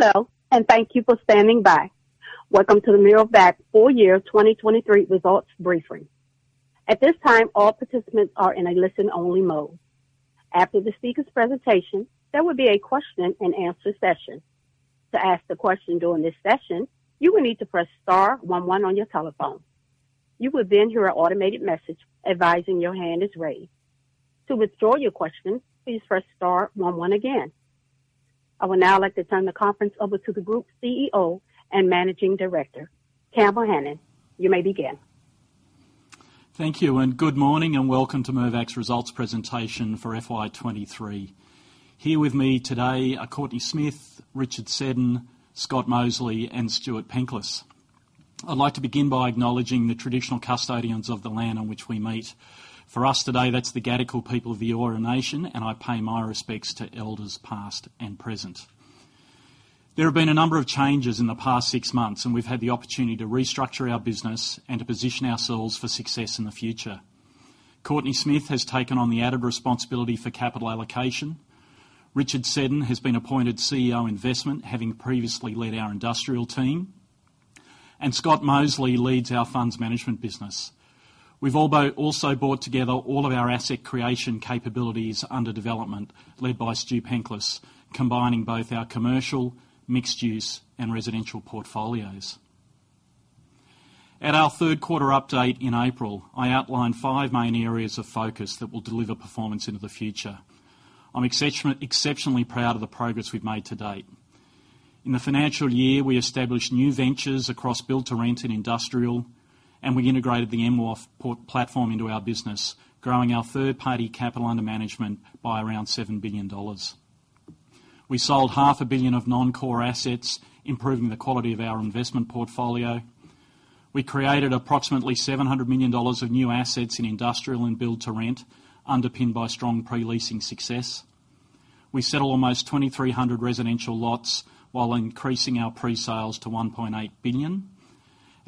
Hello, thank you for standing by. Welcome to the Mirvac Full Year 2023 Results Briefing. At this time, all participants are in a listen-only mode. After the speaker's presentation, there will be a question-and-answer session. To ask the question during this session, you will need to press star one one on your telephone. You will hear an automated message advising your hand is raised. To withdraw your question, please press star one one again. I would now like to turn the conference over to the Group CEO and Managing Director, Campbell Hanan. You may begin. Thank you, and good morning, and welcome to Mirvac's results presentation for FY 2023. Here with me today are Courtenay Smith, Richard Seddon, Scott Mosely, and Stuart Penklis. I'd like to begin by acknowledging the traditional custodians of the land on which we meet. For us today, that's the Gadigal people of the Eora Nation, and I pay my respects to elders, past and present. There have been a number of changes in the past 6 months, and we've had the opportunity to restructure our business and to position ourselves for success in the future. Courtenay Smith has taken on the added responsibility for capital allocation. Richard Seddon has been appointed CEO, Investment, having previously led our industrial team, and Scott Mosely leads our funds management business. We've also brought together all of our asset creation capabilities under development, led by Stu Penklis, combining both our commercial, mixed-use, and residential portfolios. At our third quarter update in April, I outlined five main areas of focus that will deliver performance into the future. I'm exceptionally proud of the progress we've made to date. In the financial year, we established new ventures across build-to-rent and industrial. We integrated the MWOF platform into our business, growing our third-party capital under management by around $7 billion. We sold $500 million of non-core assets, improving the quality of our investment portfolio. We created approximately $700 million of new assets in industrial and build-to-rent, underpinned by strong pre-leasing success. We settled almost 2,300 residential lots while increasing our pre-sales to 1.8 billion,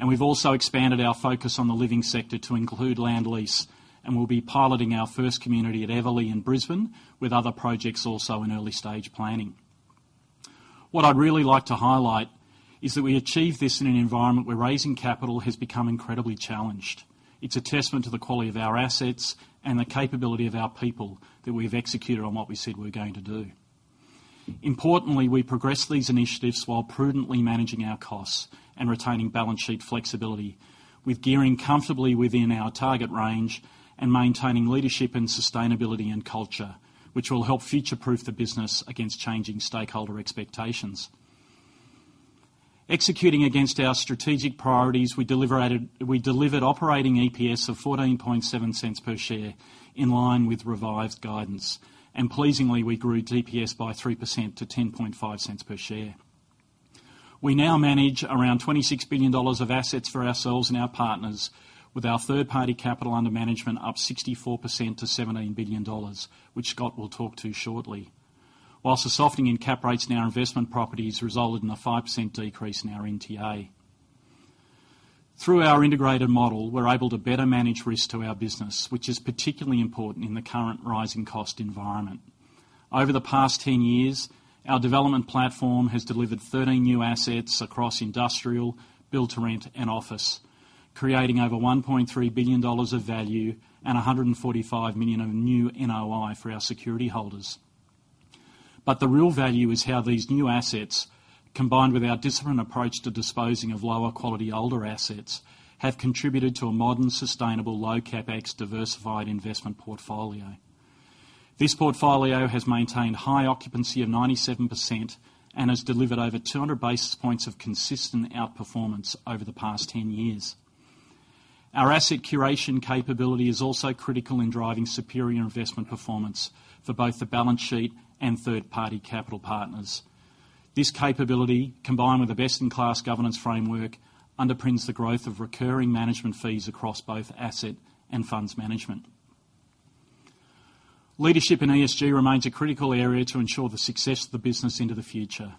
and we've also expanded our focus on the living sector to include land lease, and we'll be piloting our first community at Everleigh in Brisbane, with other projects also in early-stage planning. What I'd really like to highlight is that we achieved this in an environment where raising capital has become incredibly challenged. It's a testament to the quality of our assets and the capability of our people that we've executed on what we said we were going to do. Importantly, we progressed these initiatives while prudently managing our costs and retaining balance sheet flexibility, with gearing comfortably within our target range and maintaining leadership and sustainability and culture, which will help future-proof the business against changing stakeholder expectations. Executing against our strategic priorities, we delivered operating EPS of 0.147 per share, in line with revised guidance, and pleasingly, we grew DPS by 3% to 0.105 per share. We now manage around 26 billion dollars of assets for ourselves and our partners, with our third-party capital under management up 64% to 17 billion dollars, which Scott will talk to you shortly. Whilst a softening in cap rates in our investment properties resulted in a 5% decrease in our NTA. Through our integrated model, we're able to better manage risk to our business, which is particularly important in the current rising cost environment. Over the past 10 years, our development platform has delivered 13 new assets across industrial, build-to-rent, and office, creating over 1.3 billion dollars of value and 145 million of new NOI for our security holders. The real value is how these new assets, combined with our disciplined approach to disposing of lower quality, older assets, have contributed to a modern, sustainable, low CapEx, diversified investment portfolio. This portfolio has maintained high occupancy of 97% and has delivered over 200 basis points of consistent outperformance over the past 10 years. Our asset curation capability is also critical in driving superior investment performance for both the balance sheet and third-party capital partners. This capability, combined with a best-in-class governance framework, underpins the growth of recurring management fees across both asset and funds management. Leadership in ESG remains a critical area to ensure the success of the business into the future.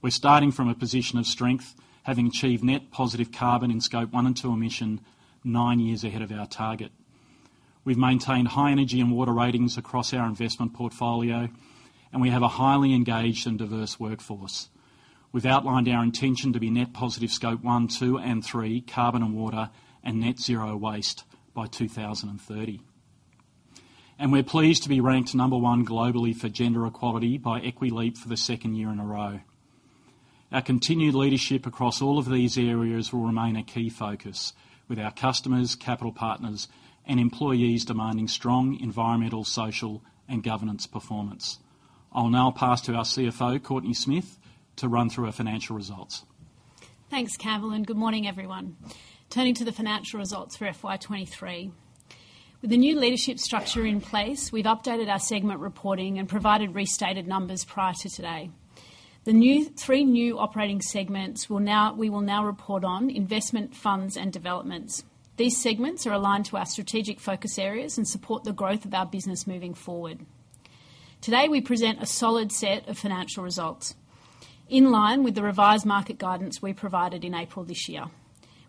We're starting from a position of strength, having achieved net positive carbon in Scope 1 and 2 emissions, nine years ahead of our target. We've maintained high energy and water ratings across our investment portfolio, and we have a highly engaged and diverse workforce. We've outlined our intention to be net positive Scope 1, 2, and 3, carbon and water, and net zero waste by 2030. We're pleased to be ranked number 1 globally for gender equality by Equileap for the second year in a row. Our continued leadership across all of these areas will remain a key focus, with our customers, capital partners, and employees demanding strong environmental, social, and governance performance. I'll now pass to our CFO, Courtenay Smith, to run through our financial results. Thanks, Campbell. Good morning, everyone. Turning to the financial results for FY 2023. With the new leadership structure in place, we've updated our segment reporting and provided restated numbers prior to today. Three new operating segments we will now report on investment, funds, and developments. These segments are aligned to our strategic focus areas and support the growth of our business moving forward. Today, we present a solid set of financial results in line with the revised market guidance we provided in April this year.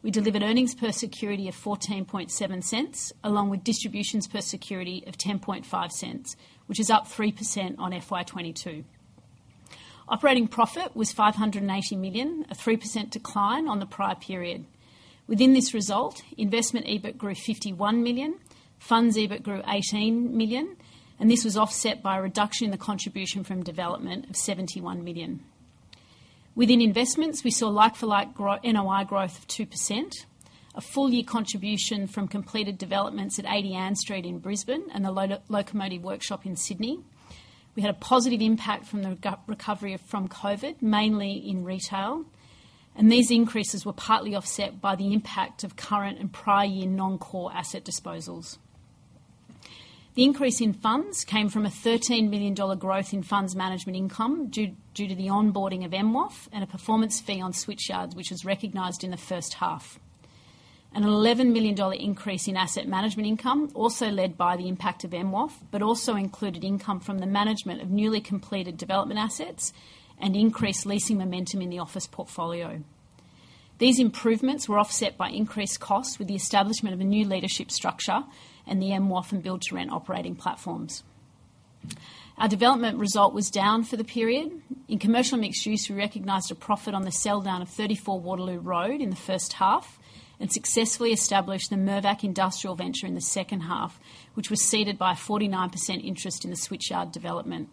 We delivered earnings per security of 0.147, along with distributions per security of 0.105, which is up 3% on FY2022. Operating profit was 580 million, a 3% decline on the prior period. Within this result, investment EBIT grew 51 million, funds EBIT grew 18 million, this was offset by a reduction in the contribution from development of 71 million. Within investments, we saw like-for-like NOI growth of 2%, a full year contribution from completed developments at 80 Ann Street in Brisbane and the Locomotive Workshop in Sydney. We had a positive impact from the recovery from COVID, mainly in retail, these increases were partly offset by the impact of current and prior year non-core asset disposals. The increase in funds came from a $13 million growth in funds management income, due to the onboarding of MWOF and a performance fee on Switchyard, which was recognized in the first half. An $11 million increase in asset management income also led by the impact of MWOF, but also included income from the management of newly completed development assets and increased leasing momentum in the office portfolio. These improvements were offset by increased costs with the establishment of a new leadership structure and the MWOF and build-to-rent operating platforms. Our development result was down for the period. In commercial mixed use, we recognized a profit on the sell down of 34 Waterloo Road in the first half and successfully established the Mirvac Industrial Venture in the second half, which was seeded by a 49% interest in the Switchyard development.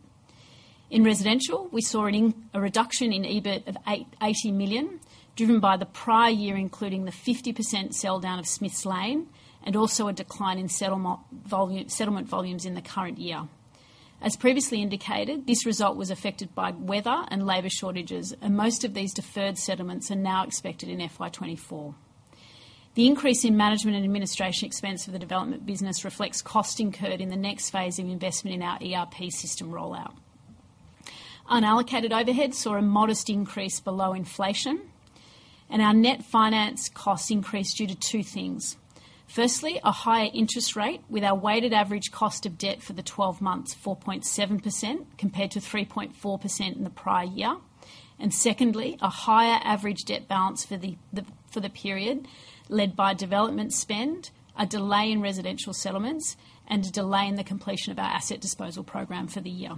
In residential, we saw a reduction in EBIT of 80 million, driven by the prior year, including the 50% sell down of Smiths Lane, also a decline in settlement volumes in the current year. As previously indicated, this result was affected by weather and labor shortages, most of these deferred settlements are now expected in FY 2024. The increase in management and administration expense for the development business reflects cost incurred in the next phase of investment in our ERP system rollout. Unallocated overheads saw a modest increase below inflation, our net finance costs increased due to 2 things. Firstly, a higher interest rate with our weighted average cost of debt for the 12 months, 4.7%, compared to 3.4% in the prior year. Secondly, a higher average debt balance for the period, led by development spend, a delay in residential settlements, and a delay in the completion of our asset disposal program for the year.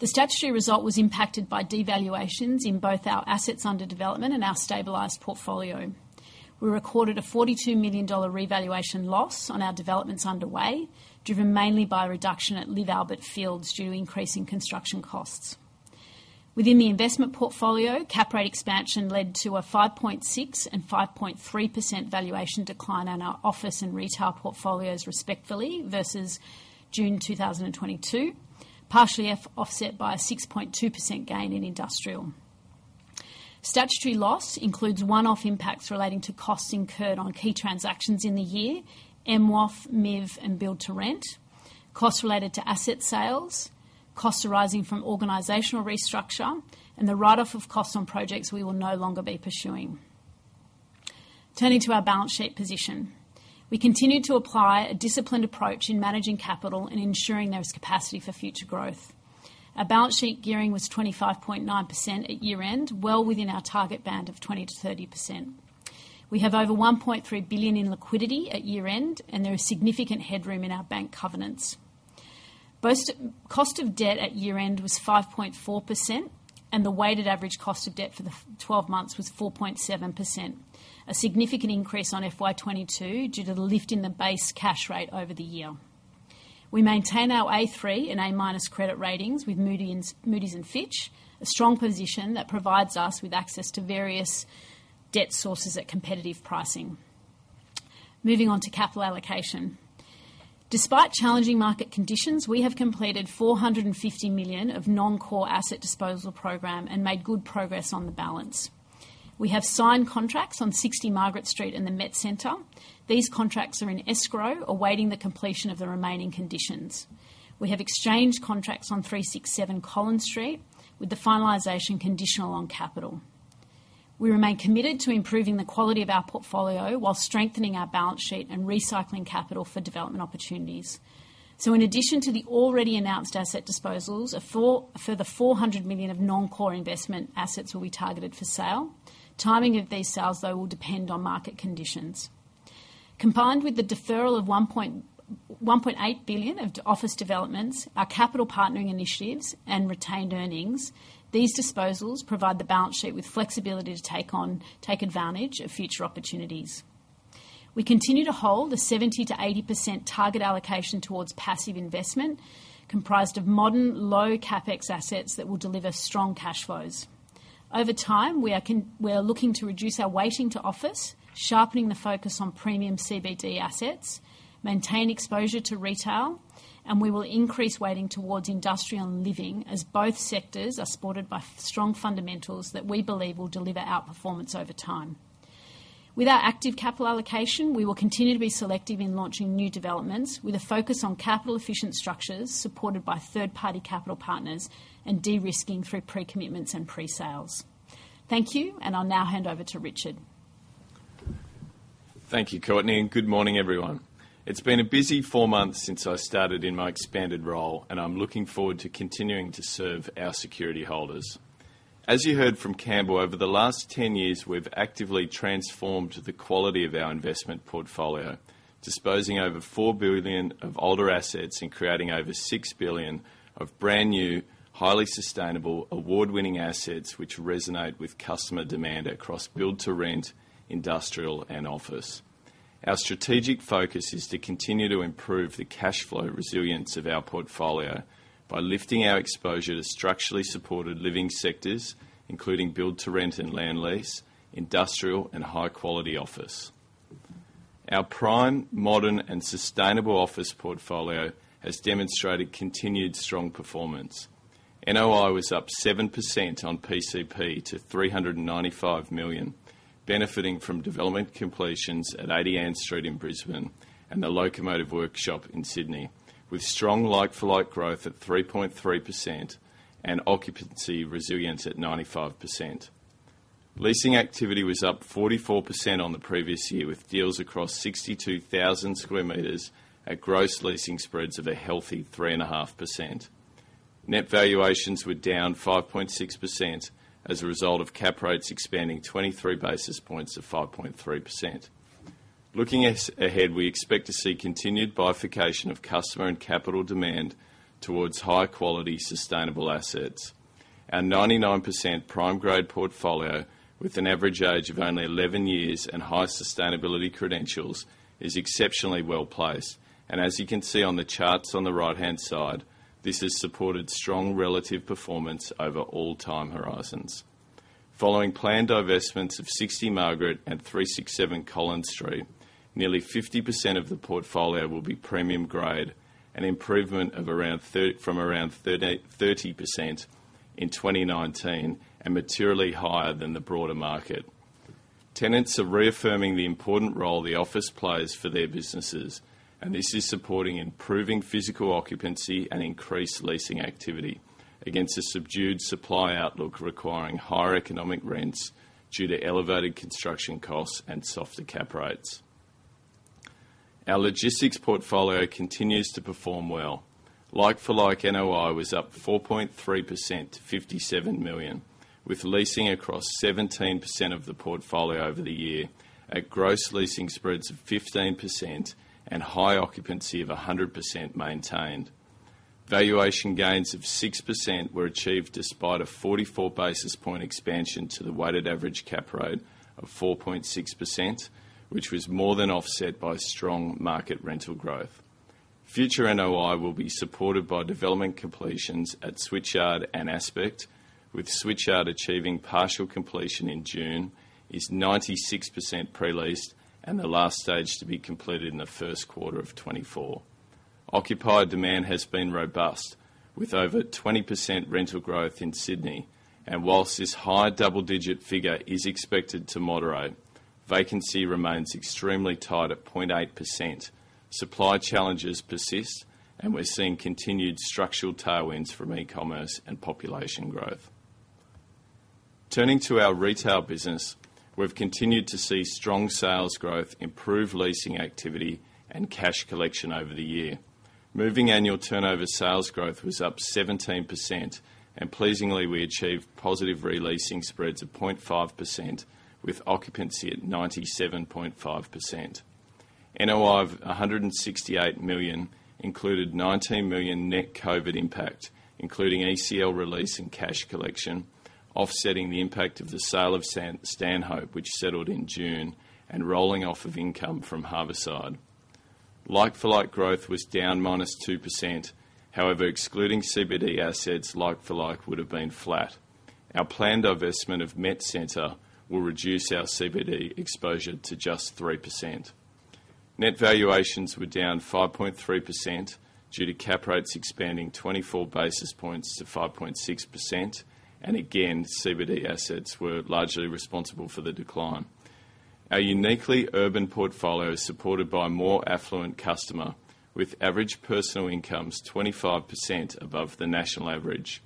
The statutory result was impacted by devaluations in both our assets under development and our stabilized portfolio. We recorded an 42 million dollar revaluation loss on our developments underway, driven mainly by a reduction at LIV Albert Fields due to increasing construction costs. Within the investment portfolio, cap rate expansion led to a 5.6% and 5.3% valuation decline on our office and retail portfolios, respectively, versus June 2022, partially offset by a 6.2% gain in industrial. Statutory loss includes one-off impacts relating to costs incurred on key transactions in the year, MWOF, MIV, and build to rent, costs related to asset sales, costs arising from organizational restructure, and the write-off of costs on projects we will no longer be pursuing. Turning to our balance sheet position. We continued to apply a disciplined approach in managing capital and ensuring there was capacity for future growth. Our balance sheet gearing was 25.9% at year-end, well within our target band of 20%-30%. We have over 1.3 billion in liquidity at year-end, and there is significant headroom in our bank covenants. Cost of debt at year-end was 5.4%, and the weighted average cost of debt for the 12 months was 4.7%, a significant increase on FY 2022 due to the lift in the base cash rate over the year. We maintain our A3 and A- credit ratings with Moody's and Fitch, a strong position that provides us with access to various debt sources at competitive pricing. Moving on to capital allocation. Despite challenging market conditions, we have completed 450 million of non-core asset disposal program and made good progress on the balance. We have signed contracts on 60 Margaret Street and the MetCentre. These contracts are in escrow, awaiting the completion of the remaining conditions. We have exchanged contracts on 367 Collins Street, with the finalization conditional on capital. We remain committed to improving the quality of our portfolio while strengthening our balance sheet and recycling capital for development opportunities. In addition to the already announced asset disposals, a further 400 million of non-core investment assets will be targeted for sale. Timing of these sales, though, will depend on market conditions. Combined with the deferral of 1.8 billion of office developments, our capital partnering initiatives and retained earnings, these disposals provide the balance sheet with flexibility to take advantage of future opportunities. We continue to hold a 70%-80% target allocation towards passive investment, comprised of modern low CapEx assets that will deliver strong cash flows. Over time, we are we are looking to reduce our weighting to office, sharpening the focus on premium CBD assets, maintain exposure to retail, and we will increase weighting towards industrial and living, as both sectors are supported by strong fundamentals that we believe will deliver outperformance over time. With our active capital allocation, we will continue to be selective in launching new developments, with a focus on capital-efficient structures supported by third-party capital partners and de-risking through pre-commitments and pre-sales. Thank you, and I'll now hand over to Richard. Thank you, Courtenay, good morning, everyone. It's been a busy four months since I started in my expanded role, and I'm looking forward to continuing to serve our security holders. As you heard from Campbell, over the last 10 years, we've actively transformed the quality of our investment portfolio, disposing over 4 billion of older assets and creating over 6 billion of brand-new, highly sustainable, award-winning assets, which resonate with customer demand across build-to-rent, industrial, and office. Our strategic focus is to continue to improve the cash flow resilience of our portfolio by lifting our exposure to structurally supported living sectors, including build-to-rent and land lease, industrial, and high-quality office. Our prime, modern, and sustainable office portfolio has demonstrated continued strong performance. NOI was up 7% on PCP to 395 million, benefiting from development completions at 80 Ann Street in Brisbane and the Locomotive Workshop in Sydney, with strong like-for-like growth at 3.3% and occupancy resilience at 95%. Leasing activity was up 44% on the previous year, with deals across 62,000 square meters at gross leasing spreads of a healthy 3.5%. Net valuations were down 5.6% as a result of cap rates expanding 23 basis points to 5.3%. Looking ahead, we expect to see continued bifurcation of customer and capital demand towards high-quality, sustainable assets. Our 99% prime grade portfolio, with an average age of only 11 years and high sustainability credentials, is exceptionally well-placed. As you can see on the charts on the right-hand side, this has supported strong relative performance over all time horizons. Following planned divestments of 60 Margaret Street and 367 Collins Street, nearly 50% of the portfolio will be premium grade, an improvement from around 30% in 2019, materially higher than the broader market. Tenants are reaffirming the important role the office plays for their businesses. This is supporting improving physical occupancy and increased leasing activity against a subdued supply outlook requiring higher economic rents due to elevated construction costs and softer cap rates. Our logistics portfolio continues to perform well. Like-for-like NOI was up 4.3% to 57 million, with leasing across 17% of the portfolio over the year at gross leasing spreads of 15% and high occupancy of 100% maintained. Valuation gains of 6% were achieved despite a 44 basis point expansion to the weighted average cap rate of 4.6%, which was more than offset by strong market rental growth. Future NOI will be supported by development completions at Switchyard and Aspect, with Switchyard achieving partial completion in June, is 96% pre-leased, and the last stage to be completed in the 1st quarter of 2024. Occupied demand has been robust, with over 20% rental growth in Sydney, and whilst this high double-digit figure is expected to moderate, vacancy remains extremely tight at 0.8%. Supply challenges persist, we're seeing continued structural tailwinds from e-commerce and population growth. Turning to our retail business, we've continued to see strong sales growth, improved leasing activity, and cash collection over the year. Moving annual turnover sales growth was up 17%, and pleasingly, we achieved positive re-leasing spreads of 0.5%, with occupancy at 97.5%. NOI of 168 million included 19 million net COVID impact, including ECL release and cash collection, offsetting the impact of the sale of Stanhope, which settled in June, and rolling off of income from Harbourside. Like-for-like growth was down -2%. However, excluding CBD assets, like for like, would have been flat. Our planned divestment of MetCentre will reduce our CBD exposure to just 3%. Net valuations were down 5.3% due to cap rates expanding 24 basis points to 5.6%, again, CBD assets were largely responsible for the decline. Our uniquely urban portfolio is supported by a more affluent customer, with average personal incomes 25% above the national average.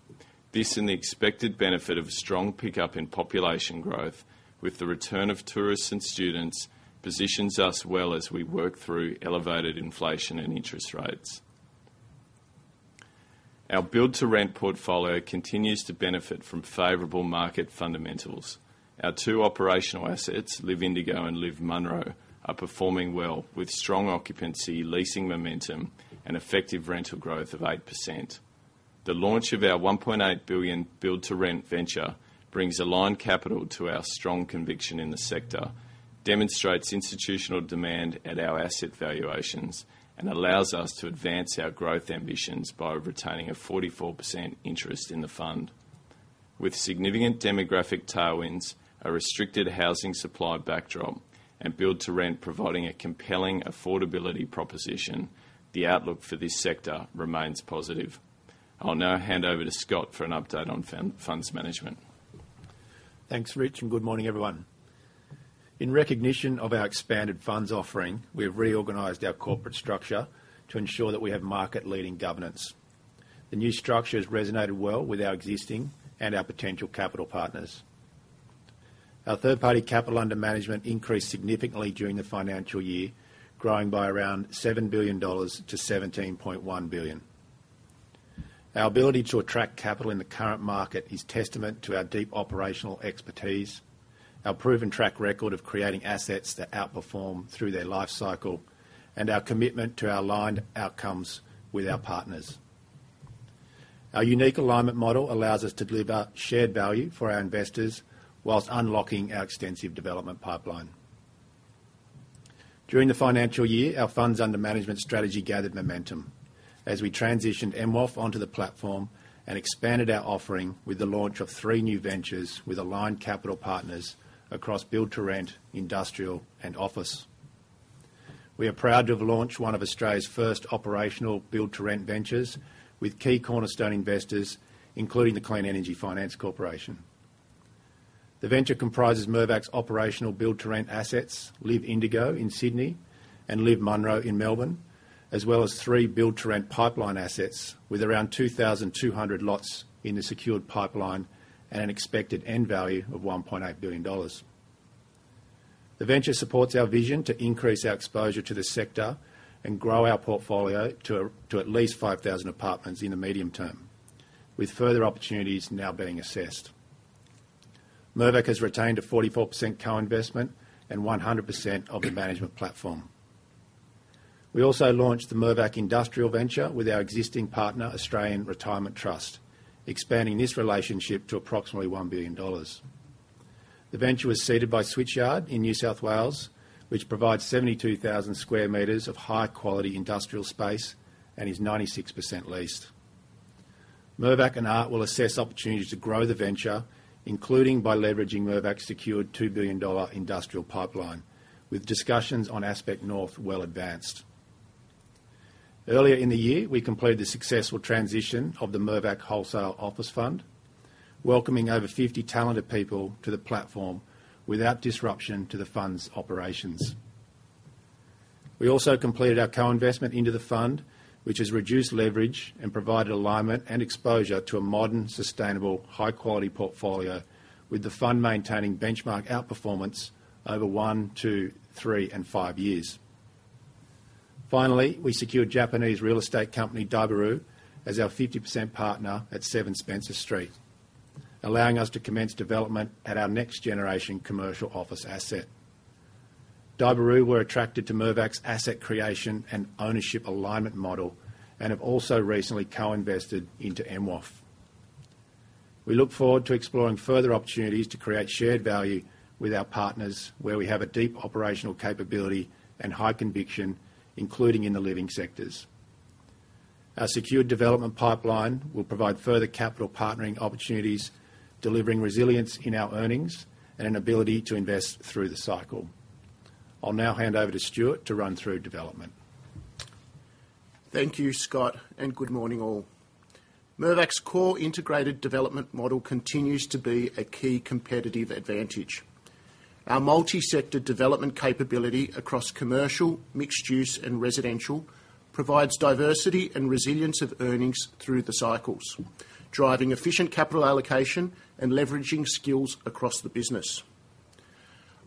This, the expected benefit of a strong pickup in population growth with the return of tourists and students, positions us well as we work through elevated inflation and interest rates. Our build-to-rent portfolio continues to benefit from favorable market fundamentals. Our two operational assets, LIV Indigo and LIV Munro, are performing well, with strong occupancy, leasing momentum, and effective rental growth of 8%. The launch of our 1.8 billion build-to-rent venture brings aligned capital to our strong conviction in the sector, demonstrates institutional demand at our asset valuations, and allows us to advance our growth ambitions by retaining a 44% interest in the fund. With significant demographic tailwinds, a restricted housing supply backdrop, and build to rent providing a compelling affordability proposition, the outlook for this sector remains positive. I'll now hand over to Scott Mosely for an update on funds management. Thanks, Rich. Good morning, everyone. In recognition of our expanded funds offering, we have reorganized our corporate structure to ensure that we have market-leading governance. The new structure has resonated well with our existing and our potential capital partners. Our third-party capital under management increased significantly during the financial year, growing by around 7 billion dollars to 17.1 billion. Our ability to attract capital in the current market is testament to our deep operational expertise, our proven track record of creating assets that outperform through their lifecycle, and our commitment to aligned outcomes with our partners. Our unique alignment model allows us to deliver shared value for our investors, whilst unlocking our extensive development pipeline. During the financial year, our funds under management strategy gathered momentum as we transitioned MWOF onto the platform and expanded our offering with the launch of three new ventures with aligned capital partners across build-to-rent, industrial, and office. We are proud to have launched one of Australia's first operational build-to-rent ventures with key cornerstone investors, including the Clean Energy Finance Corporation. The venture comprises Mirvac's operational build-to-rent assets, LIV Indigo in Sydney and LIV Munro in Melbourne, as well as three build-to-rent pipeline assets, with around 2,200 lots in the secured pipeline and an expected end value of 1.8 billion dollars. The venture supports our vision to increase our exposure to the sector and grow our portfolio to at least 5,000 apartments in the medium term, with further opportunities now being assessed. Mirvac has retained a 44% co-investment and 100% of the management platform. We also launched the Mirvac Industrial Venture with our existing partner, Australian Retirement Trust, expanding this relationship to approximately 1 billion dollars. The venture was seeded by Switchyard in New South Wales, which provides 72,000 square meters of high-quality industrial space and is 96% leased. Mirvac and ART will assess opportunities to grow the venture, including by leveraging Mirvac's secured 2 billion dollar industrial pipeline, with discussions on Aspect North well advanced. Earlier in the year, we completed the successful transition of the Mirvac Wholesale Office Fund, welcoming over 50 talented people to the platform without disruption to the fund's operations. We also completed our co-investment into the fund, which has reduced leverage and provided alignment and exposure to a modern, sustainable, high-quality portfolio, with the fund maintaining benchmark outperformance over one, two, three, and five years. Finally, we secured Japanese real estate company, Daiwa House, as our 50% partner at 7 Spencer Street, allowing us to commence development at our next-generation commercial office asset. Daiwa House were attracted to Mirvac's asset creation and ownership alignment model and have also recently co-invested into MWOF. We look forward to exploring further opportunities to create shared value with our partners, where we have a deep operational capability and high conviction, including in the living sectors. Our secured development pipeline will provide further capital partnering opportunities, delivering resilience in our earnings and an ability to invest through the cycle. I'll now hand over to Stuart to run through development. Thank you, Scott, and good morning, all. Mirvac's core integrated development model continues to be a key competitive advantage. Our multi-sector development capability across commercial, mixed-use, and residential provides diversity and resilience of earnings through the cycles, driving efficient capital allocation and leveraging skills across the business.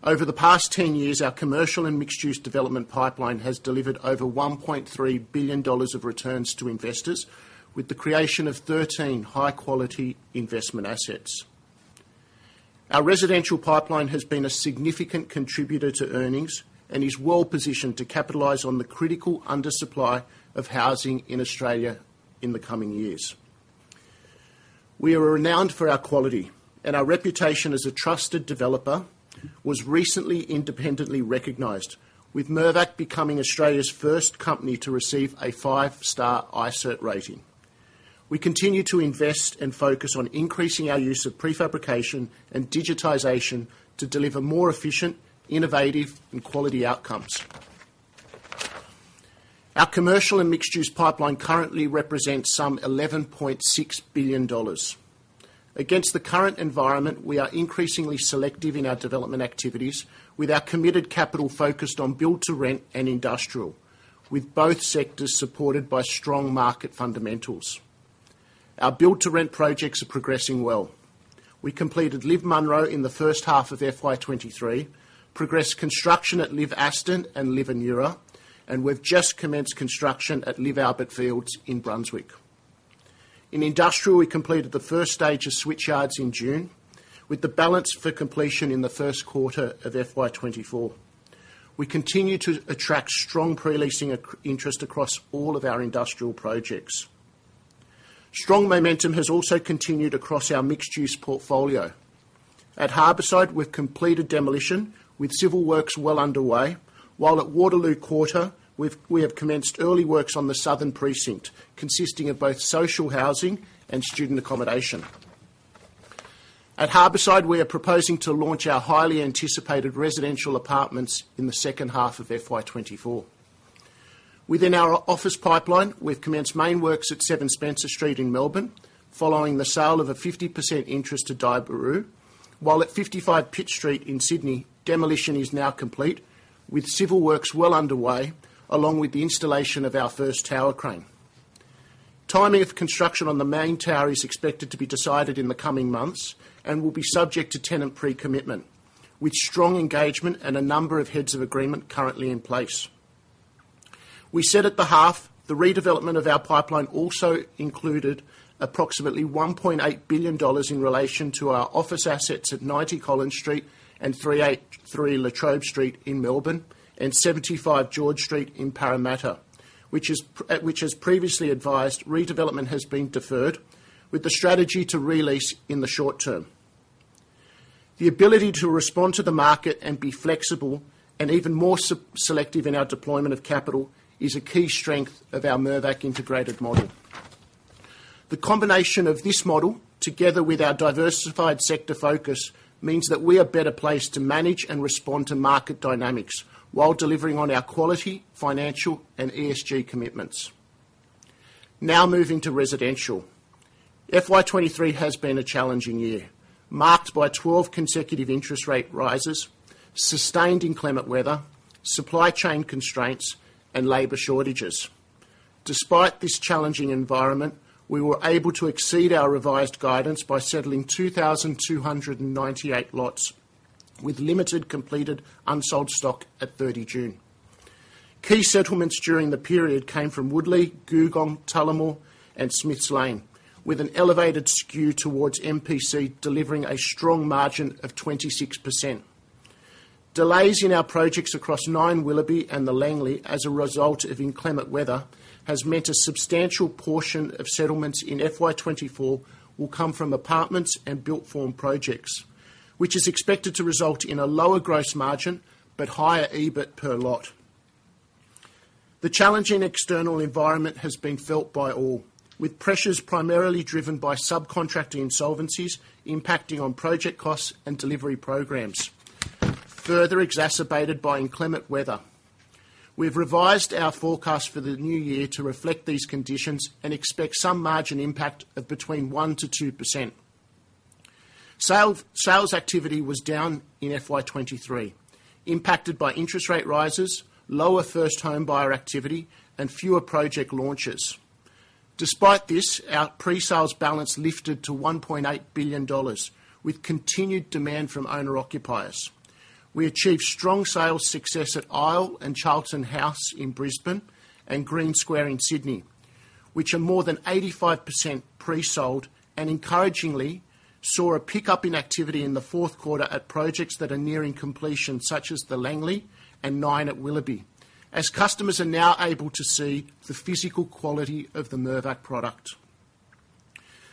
Over the past 10 years, our commercial and mixed-use development pipeline has delivered over 1.3 billion dollars of returns to investors, with the creation of 13 high-quality investment assets. Our residential pipeline has been a significant contributor to earnings and is well-positioned to capitalize on the critical undersupply of housing in Australia in the coming years. We are renowned for our quality, and our reputation as a trusted developer was recently independently recognized, with Mirvac becoming Australia's first company to receive a five-star iCIRT rating. We continue to invest and focus on increasing our use of prefabrication and digitization to deliver more efficient, innovative, and quality outcomes. Our commercial and mixed-use pipeline currently represents some 11.6 billion dollars. Against the current environment, we are increasingly selective in our development activities, with our committed capital focused on build-to-rent and industrial, with both sectors supported by strong market fundamentals. Our build-to-rent projects are progressing well. We completed LIV Munro in the first half of FY 2023, progressed construction at LIV Aston and LIV Indigo, we've just commenced construction at LIV Albert Fields in Brunswick. In industrial, we completed the first stage of Switchyard in June, with the balance for completion in the first quarter of FY 2024. We continue to attract strong pre-leasing interest across all of our industrial projects. Strong momentum has also continued across our mixed-use portfolio. At Harbourside, we have completed demolition, with civil works well underway, while at Waterloo Metro Quarter, we have commenced early works on the southern precinct, consisting of both social housing and student accommodation. At Harbourside, we are proposing to launch our highly anticipated residential apartments in the second half of FY 2024. Within our office pipeline, we've commenced main works at 7 Spencer Street in Melbourne, following the sale of a 50% interest to Daiwa House, while at 55 Pitt Street in Sydney, demolition is now complete, with civil works well underway, along with the installation of our first tower crane. Timing of construction on the main tower is expected to be decided in the coming months and will be subject to tenant pre-commitment, with strong engagement and a number of heads of agreement currently in place. We said at the half, the redevelopment of our pipeline also included approximately 1.8 billion dollars in relation to our office assets at 90 Collins Street and 383 La Trobe Street in Melbourne, and 75 George Street in Parramatta, which is at which, as previously advised, redevelopment has been deferred, with the strategy to re-lease in the short term. The ability to respond to the market and be flexible and even more selective in our deployment of capital, is a key strength of our Mirvac integrated model. The combination of this model, together with our diversified sector focus, means that we are better placed to manage and respond to market dynamics while delivering on our quality, financial, and ESG commitments. Moving to residential. FY 2023 has been a challenging year, marked by 12 consecutive interest rate rises, sustained inclement weather, supply chain constraints, and labor shortages. Despite this challenging environment, we were able to exceed our revised guidance by settling 2,298 lots, with limited completed unsold stock at 30 June. Key settlements during the period came from Woodlea, Googong, Tullamore, and Smiths Lane, with an elevated skew towards MPC, delivering a strong margin of 26%. Delays in our projects across Nine Willoughby and The Langlee, as a result of inclement weather, has meant a substantial portion of settlements in FY 2024 will come from apartments and built-form projects, which is expected to result in a lower gross margin but higher EBIT per lot. The challenging external environment has been felt by all, with pressures primarily driven by subcontractor insolvencies impacting on project costs and delivery programs, further exacerbated by inclement weather. We've revised our forecast for the new year to reflect these conditions and expect some margin impact of between 1%-2%. Sales activity was down in FY 2023, impacted by interest rate rises, lower first home buyer activity, and fewer project launches. Despite this, our pre-sales balance lifted to 1.8 billion dollars, with continued demand from owner-occupiers. We achieved strong sales success at Isle and Charlton House in Brisbane and Green Square in Sydney, which are more than 85% pre-sold, and encouragingly, saw a pickup in activity in the fourth quarter at projects that are nearing completion, such as The Langlee and Nine at Willoughby, as customers are now able to see the physical quality of the Mirvac product.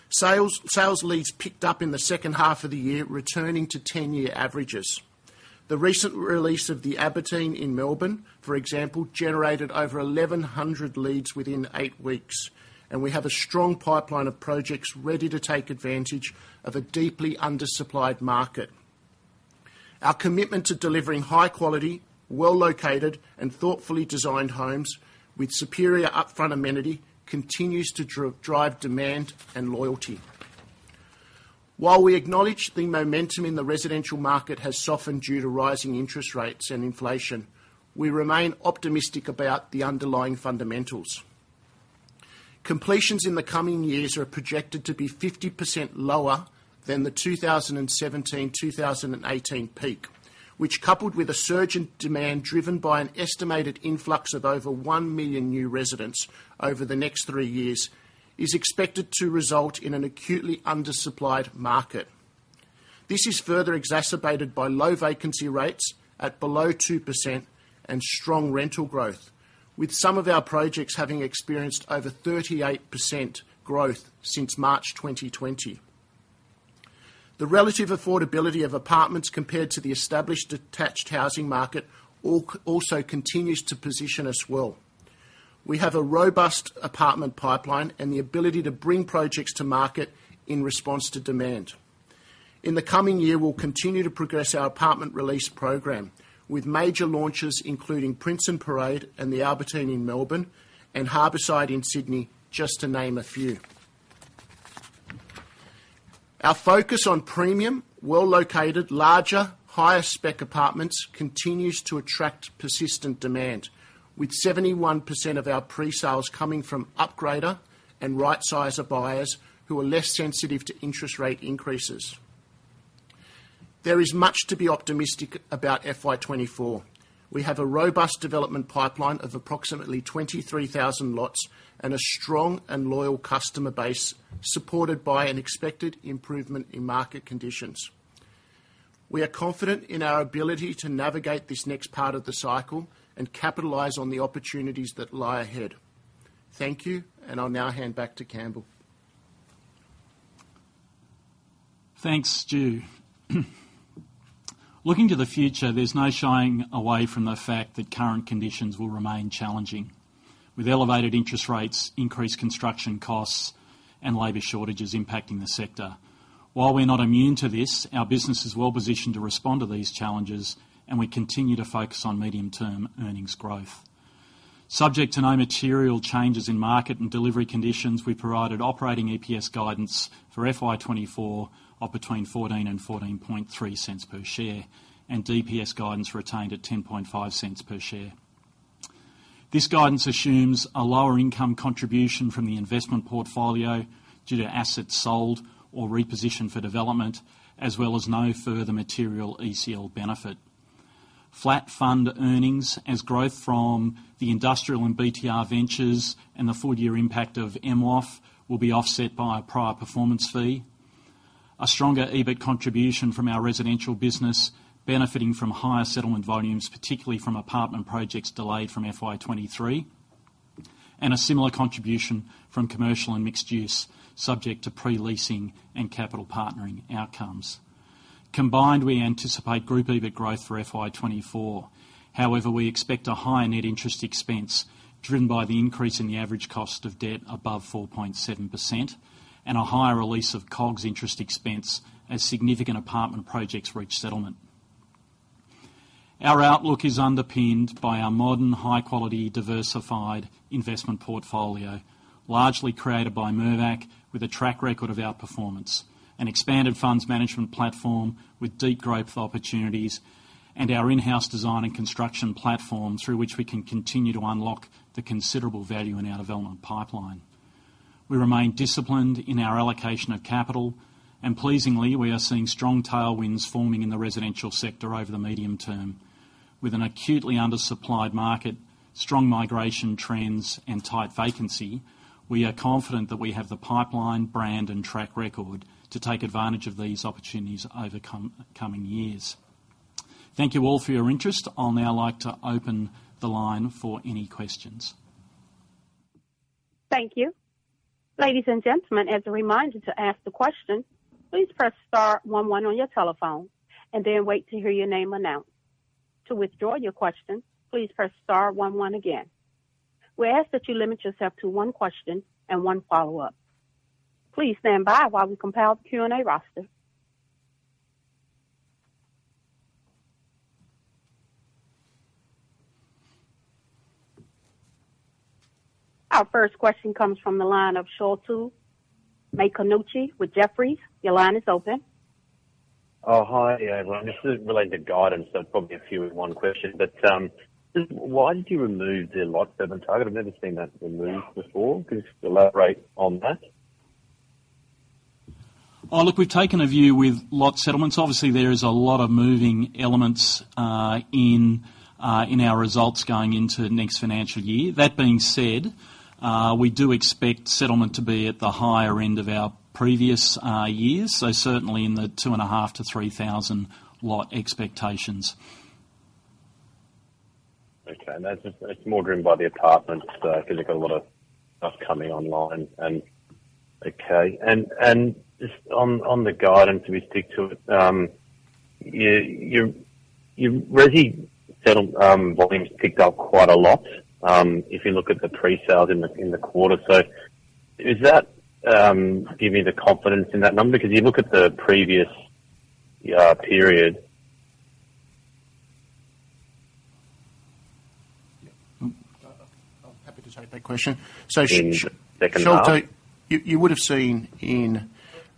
Sales leads picked up in the second half of the year, returning to 10-year averages. The recent release of The Albertine in Melbourne, for example, generated over 1,100 leads within eight weeks, and we have a strong pipeline of projects ready to take advantage of a deeply undersupplied market. Our commitment to delivering high quality, well-located, and thoughtfully designed homes with superior upfront amenity continues to drive demand and loyalty. While we acknowledge the momentum in the residential market has softened due to rising interest rates and inflation, we remain optimistic about the underlying fundamentals. Completions in the coming years are projected to be 50% lower than the 2017, 2018 peak, which, coupled with a surge in demand driven by an estimated influx of over 1 million new residents over the next three years, is expected to result in an acutely undersupplied market. This is further exacerbated by low vacancy rates at below 2% and strong rental growth, with some of our projects having experienced over 38% growth since March 2020. The relative affordability of apartments compared to the established detached housing market also continues to position us well. We have a robust apartment pipeline and the ability to bring projects to market in response to demand. In the coming year, we'll continue to progress our apartment release program, with major launches, including Prince & Parade and The Albertine in Melbourne, and Harbourside in Sydney, just to name a few. Our focus on premium, well-located, larger, higher-spec apartments continues to attract persistent demand, with 71% of our pre-sales coming from upgrader and right-sizer buyers who are less sensitive to interest rate increases. There is much to be optimistic about FY 2024. We have a robust development pipeline of approximately 23,000 lots and a strong and loyal customer base, supported by an expected improvement in market conditions. We are confident in our ability to navigate this next part of the cycle and capitalize on the opportunities that lie ahead. Thank you, and I'll now hand back to Campbell. Thanks, Stu. Looking to the future, there's no shying away from the fact that current conditions will remain challenging, with elevated interest rates, increased construction costs, and labor shortages impacting the sector. While we're not immune to this, our business is well-positioned to respond to these challenges, and we continue to focus on medium-term earnings growth. Subject to no material changes in market and delivery conditions, we provided operating EPS guidance for FY 2024 of between 0.14 and 0.143 per share, and DPS guidance retained at 0.105 per share. This guidance assumes a lower income contribution from the investment portfolio due to assets sold or repositioned for development, as well as no further material ECL benefit. Flat fund earnings as growth from the industrial and BTR ventures and the full year impact of MLOF will be offset by a prior performance fee. A stronger EBIT contribution from our residential business, benefiting from higher settlement volumes, particularly from apartment projects delayed from FY 2023, and a similar contribution from commercial and mixed use, subject to pre-leasing and capital partnering outcomes. We anticipate group EBIT growth for FY 2024. We expect a higher net interest expense, driven by the increase in the average cost of debt above 4.7%, and a higher release of COGS interest expense as significant apartment projects reach settlement. Our outlook is underpinned by our modern, high quality, diversified investment portfolio, largely created by Mirvac, with a track record of outperformance and expanded funds management platform with deep growth opportunities and our in-house design and construction platform, through which we can continue to unlock the considerable value in our development pipeline. We remain disciplined in our allocation of capital, pleasingly, we are seeing strong tailwinds forming in the residential sector over the medium term. With an acutely undersupplied market, strong migration trends, and tight vacancy, we are confident that we have the pipeline, brand, and track record to take advantage of these opportunities over coming years. Thank you all for your interest. I'll now like to open the line for any questions. Thank you. Ladies and gentlemen, as a reminder to ask the question, please press star 11 on your telephone and then wait to hear your name announced. To withdraw your question, please press star 11 again. We ask that you limit yourself to one question and one follow-up. Please stand by while we compile the Q&A roster. Our first question comes from the line of Sholto Maconochie with Jefferies. Your line is open. Oh, hi, everyone. This is related to guidance, so probably a few in one question, but, just why did you remove the lot settlement target? I've never seen that removed before. Could you elaborate on that? Oh, look, we've taken a view with lot settlements. Obviously, there is a lot of moving elements in our results going into the next financial year. That being said, we do expect settlement to be at the higher end of our previous years, so certainly in the 2,500-3,000 lot expectations. Okay, that's, that's more driven by the apartments because you've got a lot of stuff coming online. Okay, just on the guidance, we stick to it. You Resi settle volumes picked up quite a lot if you look at the pre-sales in the quarter. Does that give you the confidence in that number? Because you look at the previous period. I'm happy to take that question. So sh- Sholto, you, you would have seen in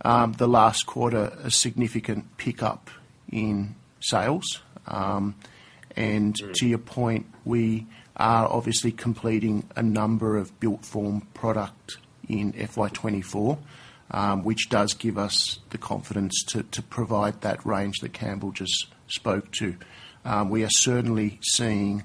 the last quarter a significant pickup in sales. And to your point, we are obviously completing a number of built-form product in FY 2024, which does give us the confidence to, to provide that range that Campbell just spoke to. We are certainly seeing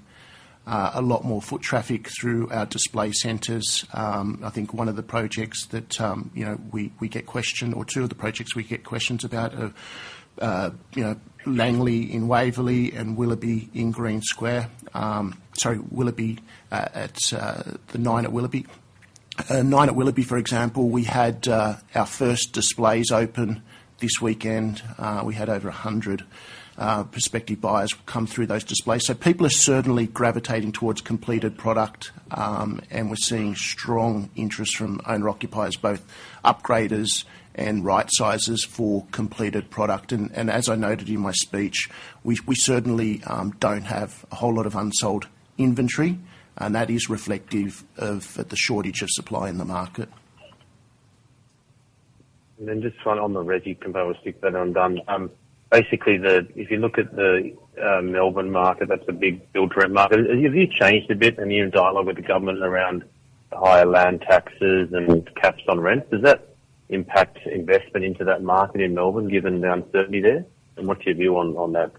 a lot more foot traffic through our display centers. I think one of the projects that, you know, we, we get questioned or two of the projects we get questions about are, you know, The Langlee in Waverley and Willoughby in Green Square. Sorry, Willoughby, at the NINE at Willoughby. NINE at Willoughby, for example, we had our first displays open this weekend. We had over 100 prospective buyers come through those displays. People are certainly gravitating towards completed product, and we're seeing strong interest from owner-occupiers, both upgraders and rightsize for completed product. As I noted in my speech, we, we certainly, don't have a whole lot of unsold inventory, and that is reflective of the shortage of supply in the market. Just one on the RESI combo, stick, then I'm done. Basically, if you look at the Melbourne market, that's a big build-to-rent market. Have you changed a bit and you're in dialogue with the government around higher land taxes and caps on rent? Does that impact investment into that market in Melbourne, given the uncertainty there, and what's your view on that?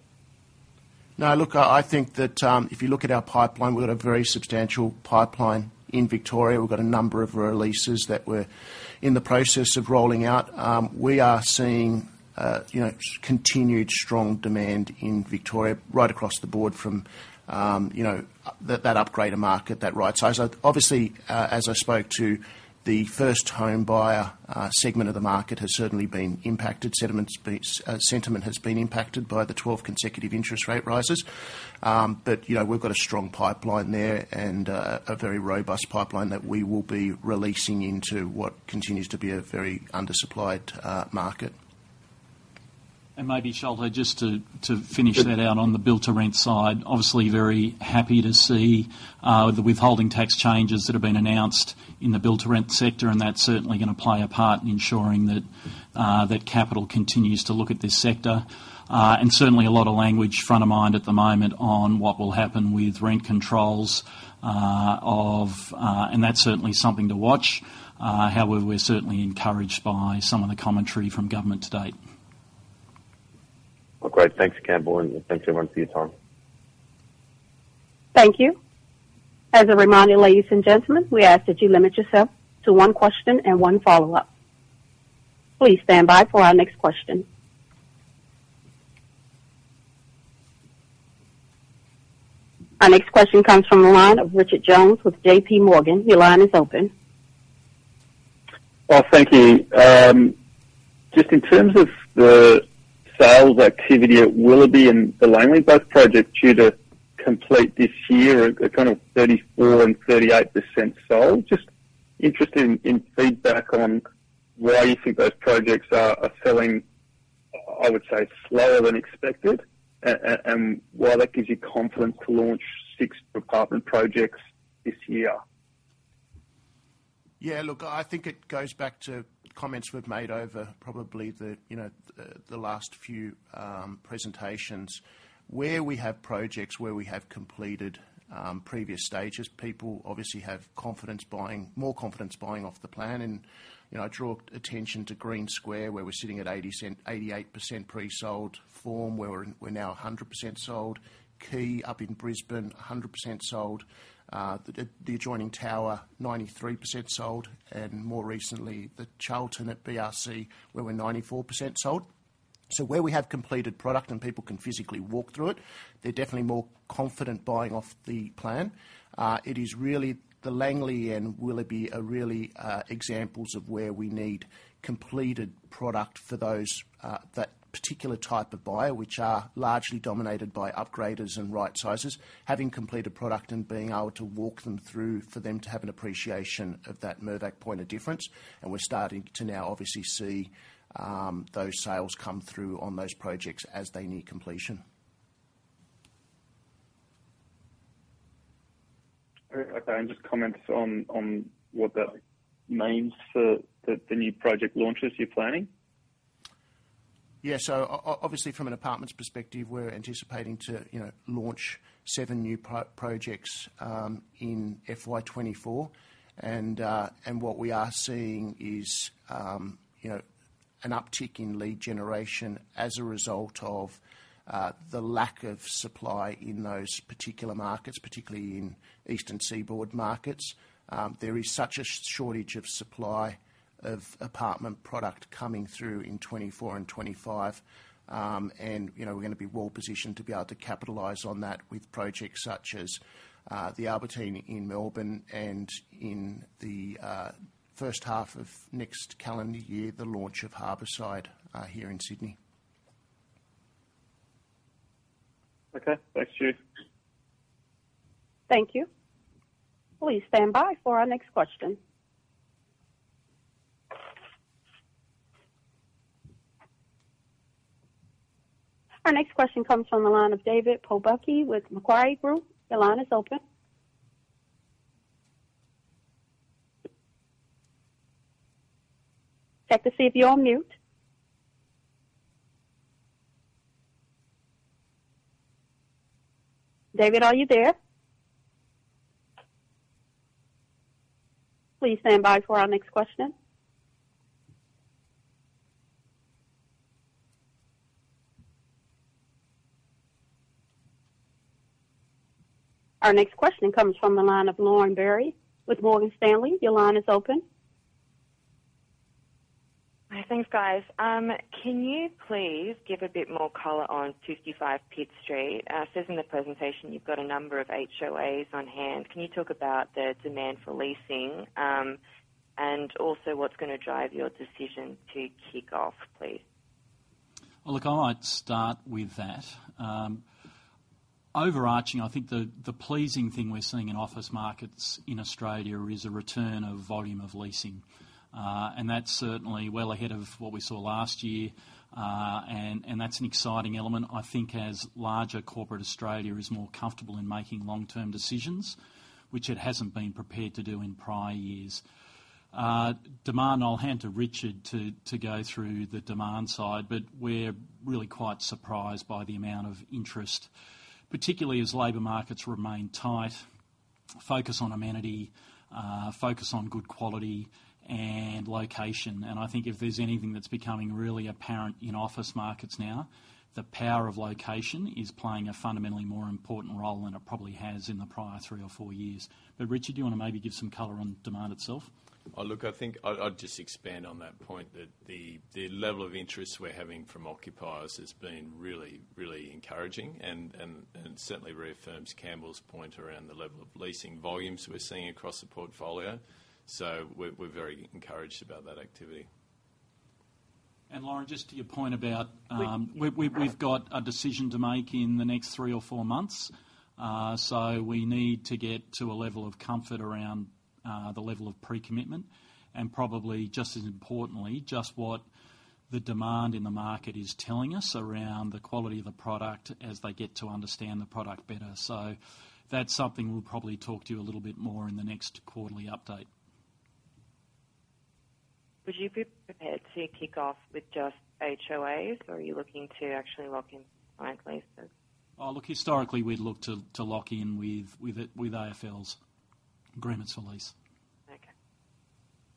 No, look, I think that, if you look at our pipeline, we've got a very substantial pipeline in Victoria. We've got a number of releases that we're in the process of rolling out. We are seeing, you know, continued strong demand in Victoria right across the board from, you know, that upgrader market, that rightsize. Obviously, as I spoke to the first homebuyer segment of the market has certainly been impacted. Sentiment has been, sentiment has been impacted by the 12 consecutive interest rate rises. You know, we've got a strong pipeline there and a very robust pipeline that we will be releasing into what continues to be a very undersupplied market. ... Maybe, Sholto, just to, to finish that out on the build-to-rent side, obviously very happy to see, the withholding tax changes that have been announced in the build-to-rent sector, and that's certainly going to play a part in ensuring that, that capital continues to look at this sector. Certainly a lot of language front of mind at the moment on what will happen with rent controls, and that's certainly something to watch. However, we're certainly encouraged by some of the commentary from government to date. Well, great. Thanks, Campbell, and thanks, everyone, for your time. Thank you. As a reminder, ladies and gentlemen, we ask that you limit yourself to one question and one follow-up. Please stand by for our next question. Our next question comes from the line of Richard Jones with JP Morgan. Your line is open. Well, thank you. Just in terms of the sales activity at Willoughby and The Langlee, both projects due to complete this year, are kind of 34% and 38% sold. Just interested in, in feedback on why you think those projects are, are selling, I would say, slower than expected, and why that gives you confidence to launch 6 apartment projects this year? Yeah, look, I think it goes back to comments we've made over probably the, you know, the last few presentations. Where we have projects, where we have completed, previous stages, people obviously have confidence buying-- more confidence buying off the plan. You know, I draw attention to Green Square, where we're sitting at 88% pre-sold, Forme, where we're, we're now 100% sold. Quay, up in Brisbane, 100% sold. The, the adjoining tower, 93% sold, and more recently, the Charlton at BRC, where we're 94% sold. Where we have completed product and people can physically walk through it, they're definitely more confident buying off the plan. It is really The Langlee and Nine Willoughby are really examples of where we need completed product for those, that particular type of buyer, which are largely dominated by upgraders and right-sizers. Having completed product and being able to walk them through, for them to have an appreciation of that Mirvac point of difference, and we're starting to now obviously see, those sales come through on those projects as they near completion. All right. Okay, just comments on, on what that means for the, the new project launches you're planning? Yeah, so obviously, from an apartments perspective, we're anticipating to, you know, launch 7 new projects in FY 2024. What we are seeing is, you know, an uptick in lead generation as a result of the lack of supply in those particular markets, particularly in eastern seaboard markets. There is such a shortage of supply of apartment product coming through in 2024 and 2025. You know, we're going to be well positioned to be able to capitalize on that with projects such as The Albertine in Melbourne, and in the first half of next calendar year, the launch of Harborside here in Sydney. Okay, thanks, Stuart. Thank you. Please stand by for our next question. Our next question comes from the line of David Pobucky with Macquarie Group. Your line is open. Check to see if you're on mute. David, are you there? Please stand by for our next question. Our next question comes from the line of Lauren Berry with Morgan Stanley. Your line is open. Thanks, guys. Can you please give a bit more color on 55 Pitt Street? It says in the presentation you've got a number of HoA on hand. Can you talk about the demand for leasing, and also what's going to drive your decision to kick off, please? Well, look, I might start with that. Overarching, I think the, the pleasing thing we're seeing in office markets in Australia is a return of volume of leasing. That's certainly well ahead of what we saw last year. That's an exciting element, I think, as larger corporate Australia is more comfortable in making long-term decisions, which it hasn't been prepared to do in prior years. Demand, I'll hand to Richard to, to go through the demand side, but we're really quite surprised by the amount of interest, particularly as labor markets remain tight, focus on amenity, focus on good quality and location. I think if there's anything that's becoming really apparent in office markets now, the power of location is playing a fundamentally more important role than it probably has in the prior three or four years. Richard, do you want to maybe give some color on demand itself? Oh, look, I think I'd, I'd just expand on that point, that the, the level of interest we're having from occupiers has been really, really encouraging and, and, and certainly reaffirms Campbell's point around the level of leasing volumes we're seeing across the portfolio. We're, we're very encouraged about that activity. Lauren, just to your point about, we've got a decision to make in the next 3 or 4 months. We need to get to a level of comfort around the level of pre-commitment, and probably just as importantly, just what the demand in the market is telling us around the quality of the product as they get to understand the product better. That's something we'll probably talk to you a little bit more in the next quarterly update. Would you be prepared to kick off with just HoA, or are you looking to actually lock in client leases? Oh, look, historically, we'd look to, to lock in with, with it, with AFLs agreements for lease. Okay.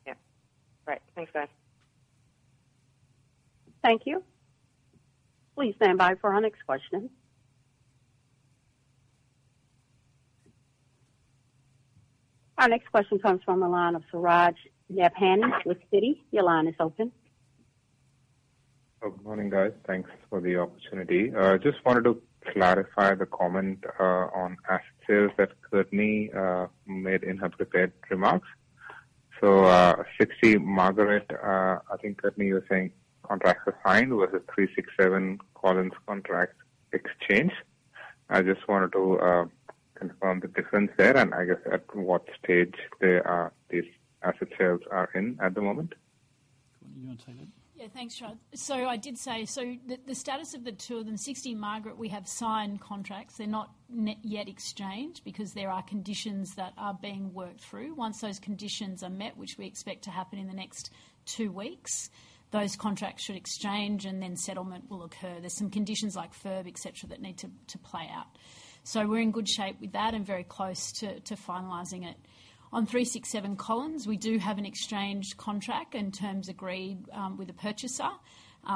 Yep. Great. Thanks, guys. Thank you. Please stand by for our next question. Our next question comes from the line of Suraj Nebhani with Citi. Your line is open. Good morning, guys. Thanks for the opportunity. I just wanted to clarify the comment on asset sales that Courtney made in her prepared remarks. 60 Margaret Street, I think Courtney was saying contracts were signed versus 367 Collins Street contracts exchanged. I just wanted to confirm the difference there, and I guess, at what stage they are, these asset sales are in at the moment? You wanna take that? Yeah. Thanks, Suraj. I did say, the status of the two of them, 60 Margaret Street, we have signed contracts. They're not yet exchanged because there are conditions that are being worked through. Once those conditions are met, which we expect to happen in the next two weeks, those contracts should exchange and then settlement will occur. There's some conditions like FIRB, et cetera, that need to play out. We're in good shape with that and very close to finalizing it. On 367 Collins Street, we do have an exchanged contract and terms agreed with the purchaser.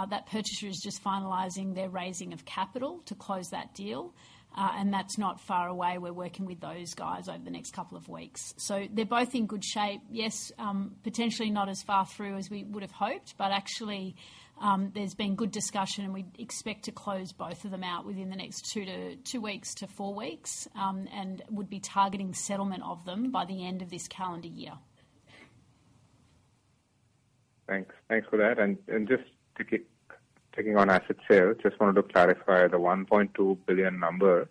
That purchaser is just finalizing their raising of capital to close that deal, and that's not far away. We're working with those guys over the next two weeks. They're both in good shape. Yes, potentially not as far through as we would have hoped, but actually, there's been good discussion, and we expect to close both of them out within the next two to two weeks to four weeks, and would be targeting settlement of them by the end of this calendar year. Thanks. Thanks for that. Just to keep taking on asset sales, just wanted to clarify the 1.2 billion number.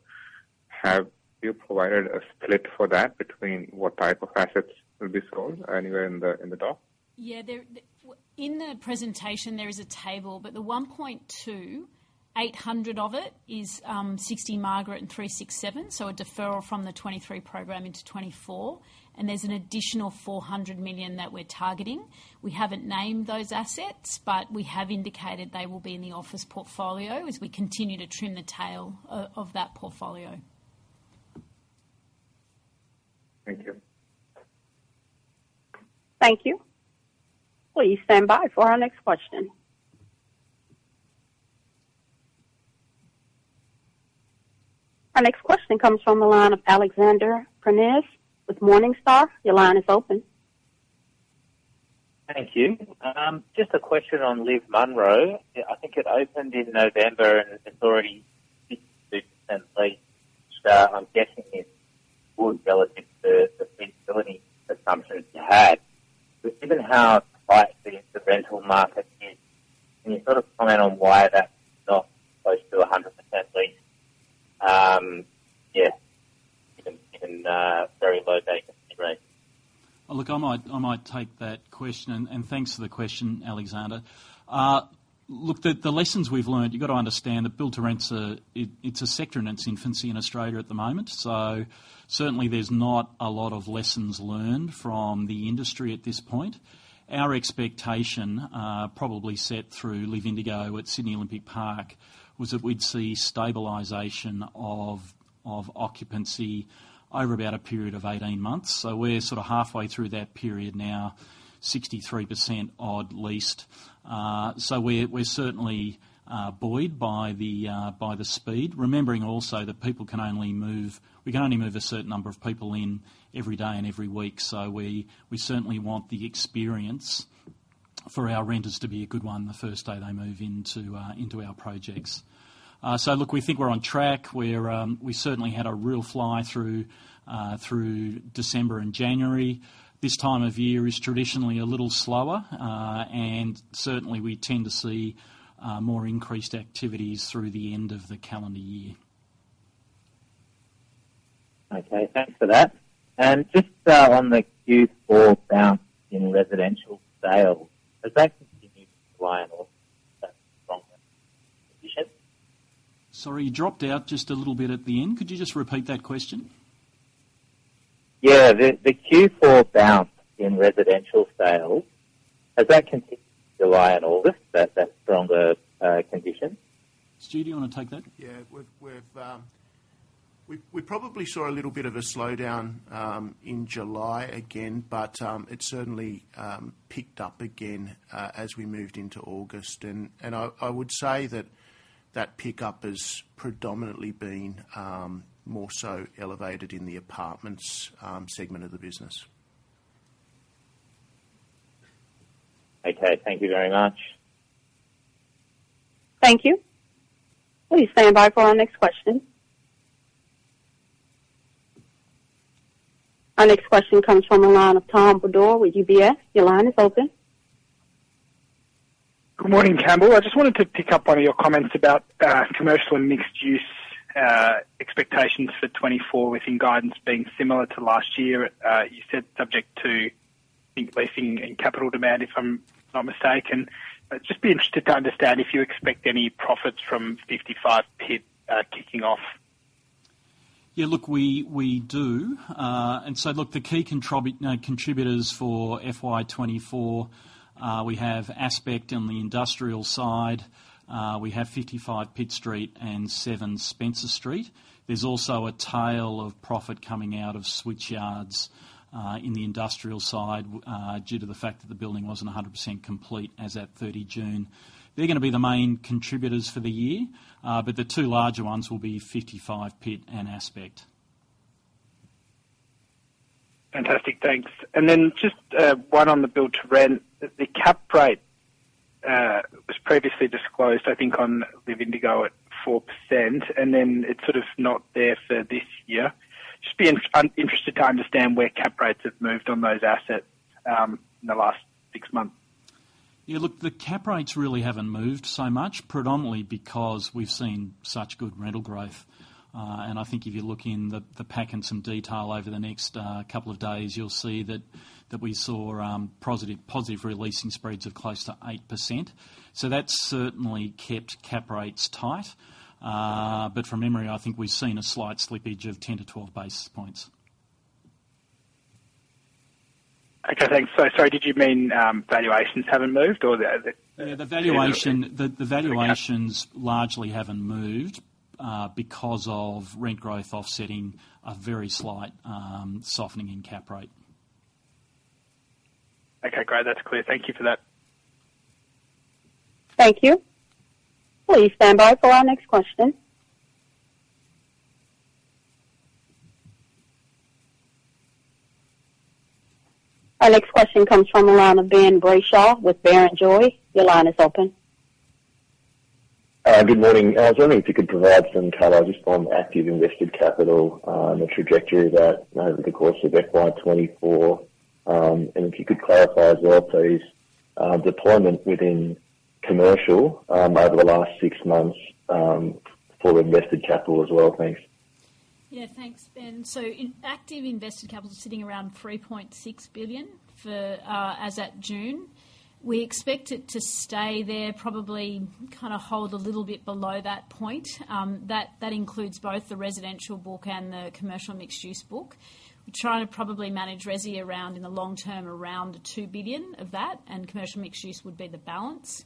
Have you provided a split for that between what type of assets will be sold anywhere in the, in the doc? Yeah, there. In the presentation, there is a table. 1.2, 800 of it is 60 Margaret Street and 367 Collins Street, a deferral from the 2023 program into 2024. There's an additional 400 million that we're targeting. We haven't named those assets. We have indicated they will be in the office portfolio as we continue to trim the tail of that portfolio. Thank you. Thank you. Please stand by for our next question. Our next question comes from the line of Alex Prineas with Morningstar. Your line is open. Thank you. Just a question on LIV Munro. I think it opened in November, and it's already 50% leased. I'm guessing it's good relative to the feasibility assumptions you had. Given how tight the rental market is, can you sort of comment on why that's not close to 100% leased? Yeah, given very low vacancy rate. Oh, look, I might, I might take that question. Thanks for the question, Alexander. Look, the lessons we've learned, you've got to understand that build-to-rent's. It's a sector in its infancy in Australia at the moment. Certainly there's not a lot of lessons learned from the industry at this point. Our expectation, probably set through LIV Indigo at Sydney Olympic Park, was that we'd see stabilization of, of occupancy over about a period of 18 months. We're sort of halfway through that period now, 63% odd leased. We're certainly buoyed by the by the speed. Remembering also that people can only move-- we can only move a certain number of people in every day and every week, so we, we certainly want the experience for our renters to be a good one the first day they move into our projects. Look, we think we're on track. We're, we certainly had a real fly through through December and January. This time of year is traditionally a little slower. Certainly, we tend to see more increased activities through the end of the calendar year. Okay, thanks for that. Just on the Q4 bounce in residential sales, has that continued to July and August, that stronger condition? Sorry, you dropped out just a little bit at the end. Could you just repeat that question? Yeah. The Q4 bounce in residential sales, has that continued to July and August, that stronger condition? Stu, do you want to take that? Yeah. We've, we've, we, we probably saw a little bit of a slowdown, in July again, but, it certainly, picked up again, as we moved into August. I, I would say that that pickup has predominantly been, more so elevated in the apartments, segment of the business. Okay. Thank you very much. Thank you. Please stand by for our next question. Our next question comes from the line of Tom Bodor with UBS. Your line is open. Good morning, Campbell. I just wanted to pick up on your comments about, commercial and mixed use, expectations for 2024 within guidance being similar to last year. You said subject to increasing and capital demand, if I'm not mistaken. I'd just be interested to understand if you expect any profits from 55 Pitt, kicking off. Yeah, look, we, we do. Look, the key contributors for FY 2024, we have Aspect on the industrial side, we have 55 Pitt Street and 7 Spencer Street. There's also a tail of profit coming out of Switchyard in the industrial side, due to the fact that the building wasn't 100% complete as at 30 June. They're gonna be the main contributors for the year, but the two larger ones will be 55 Pitt and Aspect. Fantastic. Thanks. Then just, one on the build-to-rent. The cap rate was previously disclosed, I think, on LIV Indigo at 4%, and then it's sort of not there for this year. Just be interested to understand where cap rates have moved on those assets, in the last six months? Yeah, look, the cap rates really haven't moved so much, predominantly because we've seen such good rental growth. And I think if you look in the, the pack in some detail over the next couple of days, you'll see that, that we saw positive, positive re-leasing spreads of close to 8%. That's certainly kept cap rates tight. But from memory, I think we've seen a slight slippage of 10-12 basis points. Okay, thanks. Sorry, did you mean valuations haven't moved or the? Yeah, the valuation- Yeah. The, the valuations largely haven't moved, because of rent growth offsetting a very slight softening in cap rate. Okay, great. That's clear. Thank you for that. Thank you. Please stand by for our next question. Our next question comes from the line of Ben Brayshaw with Barrenjoey. Your line is open. Good morning. I was wondering if you could provide some color just on active invested capital, and the trajectory of that over the course of FY 2024. If you could clarify as well, please, deployment within commercial, over the last six months, for invested capital as well. Thanks. Yeah, thanks, Ben. In active invested capital, sitting around 3.6 billion for, as at June. We expect it to stay there, probably kind of hold a little bit below that point. That, that includes both the residential book and the commercial mixed use book. We're trying to probably manage resi around, in the long term, around 2 billion of that, and commercial mixed use would be the balance.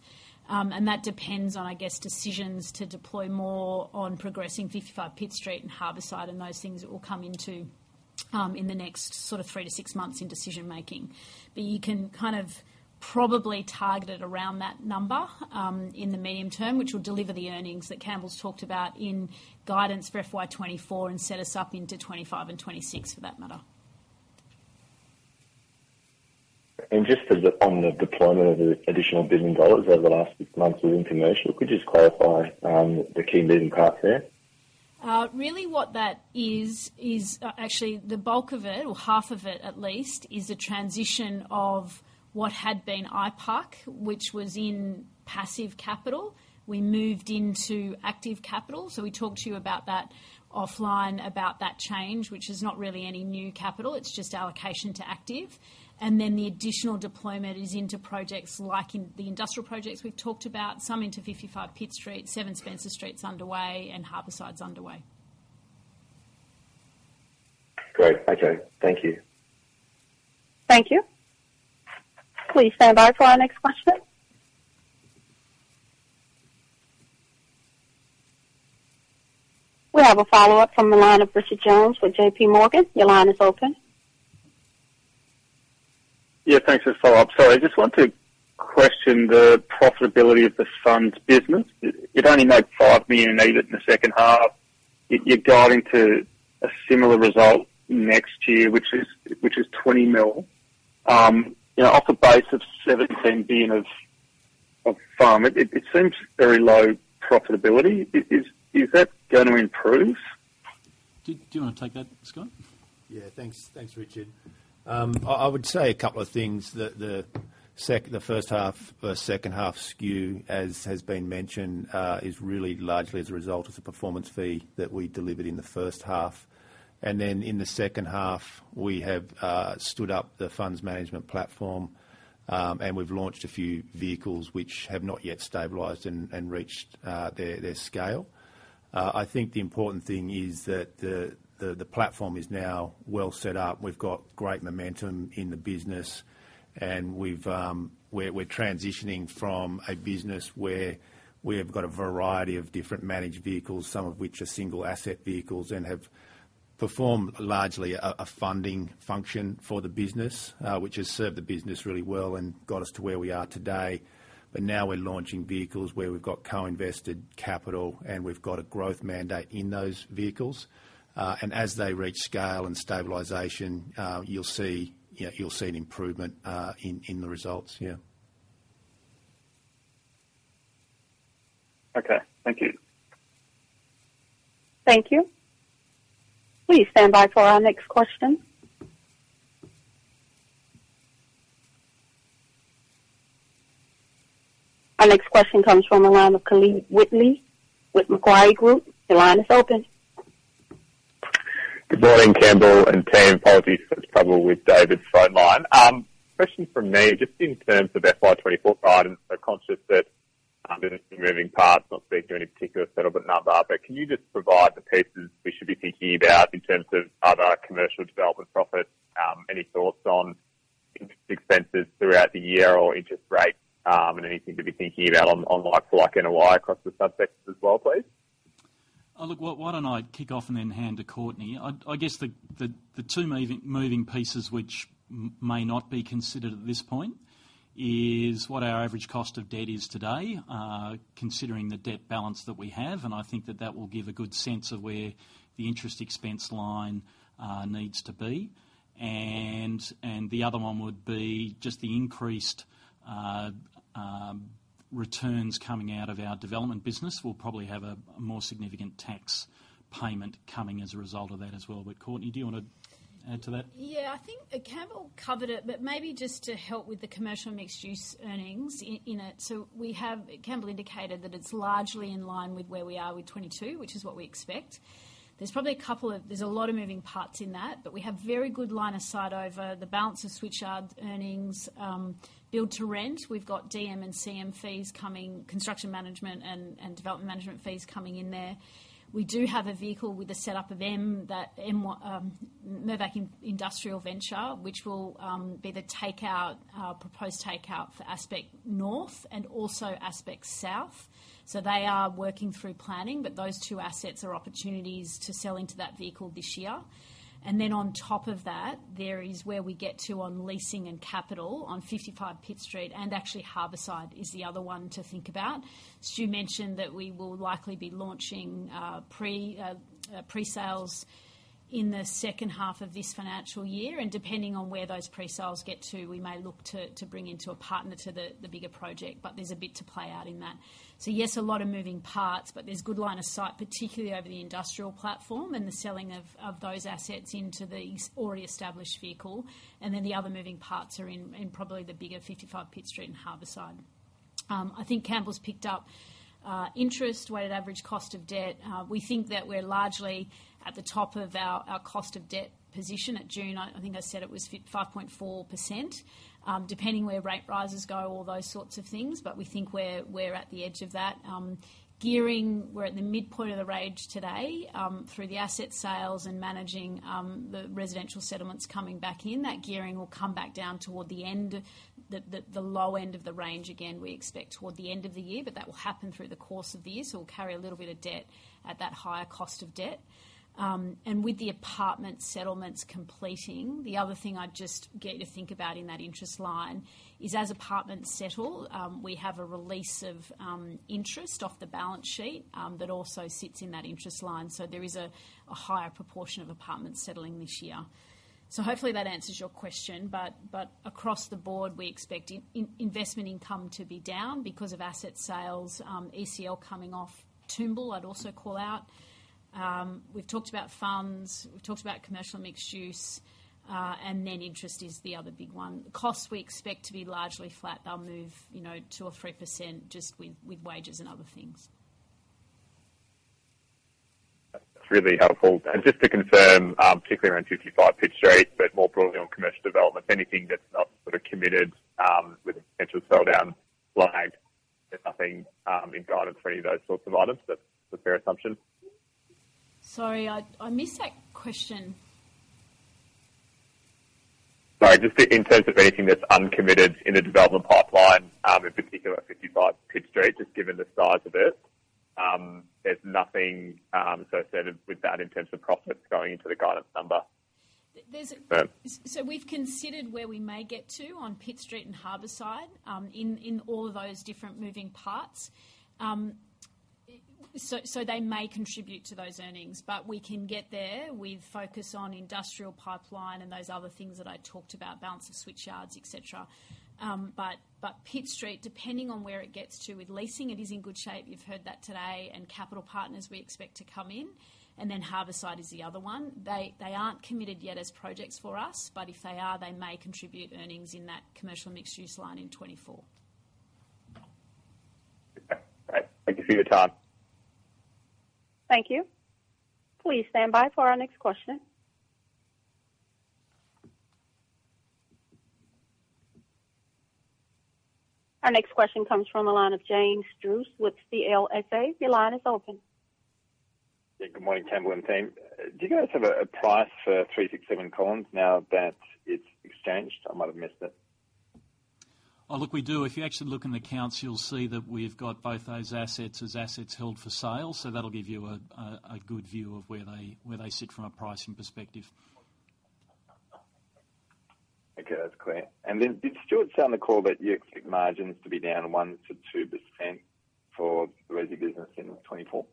That depends on, I guess, decisions to deploy more on progressing 55 Pitt Street and Harborside and those things that will come into, in the next three to six months in decision making. You can kind of probably target it around that number, in the medium term, which will deliver the earnings that Campbell's talked about in guidance for FY 2024 and set us up into 2025 and 2026, for that matter. Just as on the deployment of the additional 1 billion dollars over the last six months within commercial, could you just clarify the key moving parts there? Really what that is, is, actually the bulk of it, or half of it at least, is a transition of what had been IPAC, which was in passive capital. We moved into active capital, so we talked to you about that offline, about that change, which is not really any new capital, it's just allocation to active. The additional deployment is into projects like in the industrial projects we've talked about, some into 55 Pitt Street, 7 Spencer Street's underway, and Harbourside's underway. Great. Okay. Thank you. Thank you. Please stand by for our next question. We have a follow-up from the line of Richard Jones with JP Morgan. Your line is open. Yeah, thanks for the follow-up. I just want to question the profitability of the funds business. It, it only made 5 million needed in the second half. You're, you're guiding to a similar result next year, which is, which is 20 million. you know, off the base of 17 billion of, of FUM, it, it seems very low profitability. Is, is, is that going to improve? Do, do you want to take that, Scott? Yeah. Thanks. Thanks, Richard. I, I would say a couple of things. The first half, second half skew, as has been mentioned, is really largely as a result of the performance fee that we delivered in the first half. In the second half, we have stood up the funds management platform, and we've launched a few vehicles which have not yet stabilized and reached their scale. I think the important thing is that the platform is now well set up. We've got great momentum in the business, and we've, we're, we're transitioning from a business where we've got a variety of different managed vehicles, some of which are single asset vehicles and have performed largely a, a funding function for the business, which has served the business really well and got us to where we are today. Now we're launching vehicles where we've got co-invested capital, and we've got a growth mandate in those vehicles. As they reach scale and stabilization, you'll see, you know, you'll see an improvement, in, in the results. Yeah. Okay, thank you. Thank you. Please stand by for our next question. Our next question comes from the line of Caleb Wheatley with Macquarie Group. Your line is open. Good morning, Campbell, and team Uncertain. Question from me, just in terms of FY 2024 guidance, so conscious that, there's been moving parts, not speaking to any particular settlement number, but can you just provide the pieces we should be thinking about in terms of other commercial development profits? Any thoughts on interest expenses throughout the year or interest rates, and anything to be thinking about on, on like, like NOI across the subsectors as well, please? Why don't I kick off and then hand to Courtenay Smith? I guess the two moving pieces which may not be considered at this point is what our average cost of debt is today, considering the debt balance that we have, and I think that that will give a good sense of where the interest expense line needs to be. The other one would be just the increased returns coming out of our development business. We'll probably have a more significant tax payment coming as a result of that as well. Courtenay Smith, do you want to add to that? Yeah, I think Campbell covered it. Maybe just to help with the commercial mixed-use earnings in it. We have Campbell indicated that it's largely in line with where we are with 22, which is what we expect. There's a lot of moving parts in that. We have very good line of sight over the balance of Switchyard's earnings. Build to rent, we've got DM and CM fees coming, Construction Management and Development Management fees coming in there. We do have a vehicle with a setup of Mirvac Industrial Venture, which will be the takeout, proposed takeout for Aspect North and also Aspect South. They are working through planning. Those two assets are opportunities to sell into that vehicle this year. On top of that, there is where we get to on leasing and capital on 55 Pitt Street, and actually Harbourside is the other one to think about. Stu mentioned that we will likely be launching pre-sales in the second half of this financial year, and depending on where those pre-sales get to, we may look to, to bring into a partner to the, the bigger project, but there's a bit to play out in that. A lot of moving parts, but there's good line of sight, particularly over the industrial platform and the selling of, of those assets into the already established vehicle, and then the other moving parts are in, in probably the bigger 55 Pitt Street and Harbourside. I think Campbell's picked up interest, weighted average cost of debt. We think that we're largely at the top of our cost of debt position. At June, I think I said it was 5.4%, depending where rate rises go, all those sorts of things, but we think we're at the edge of that. Gearing, we're at the midpoint of the range today. Through the asset sales and managing the residential settlements coming back in, that gearing will come back down toward the low end of the range again, we expect toward the end of the year, but that will happen through the course of the year, so we'll carry a little bit of debt at that higher cost of debt. With the apartment settlements completing, the other thing I'd just get you to think about in that interest line is, as apartments settle, we have a release of interest off the balance sheet that also sits in that interest line. There is a higher proportion of apartments settling this year. Hopefully that answers your question, but across the board, we expect investment income to be down because of asset sales, ECL coming off. Toombul, I'd also call out. We've talked about funds, we've talked about commercial mixed use, and then interest is the other big one. Costs, we expect to be largely flat. They'll move, you know, 2% or 3% just with wages and other things. That's really helpful. Just to confirm, particularly around 55 Pitt Street, but more broadly on commercial development, anything that's not sort of committed, with a potential sell down flag, there's nothing in guidance for any of those sorts of items. That's a fair assumption? Sorry, I, I missed that question. Sorry, just in terms of anything that's uncommitted in the development pipeline, in particular at 55 Pitt Street, just given the size of it, there's nothing associated with that in terms of profits going into the guidance number. There's. We've considered where we may get to on Pitt Street and Harbourside, in, in all of those different moving parts. They may contribute to those earnings, but we can get there with focus on industrial pipeline and those other things that I talked about, balance of Switchyard, et cetera. Pitt Street, depending on where it gets to with leasing, it is in good shape. You've heard that today, capital partners, we expect to come in, and then Harbourside is the other one. They, they aren't committed yet as projects for us, but if they are, they may contribute earnings in that commercial mixed-use line in 2024. Okay. Thank you for your time. Thank you. Please stand by for our next question. Our next question comes from the line of James Druce with CLSA. Your line is open. Yeah. Good morning, Campbell and team. Do you guys have a, a price for 367 Collins now that it's exchanged? I might have missed it. Oh, look, we do. If you actually look in the accounts, you'll see that we've got both those assets as assets held for sale. That'll give you a, a, a good view of where they, where they sit from a pricing perspective. Okay, that's clear. Then did Stuart say on the call that you expect margins to be down 1%-2% for the resi business in 2024?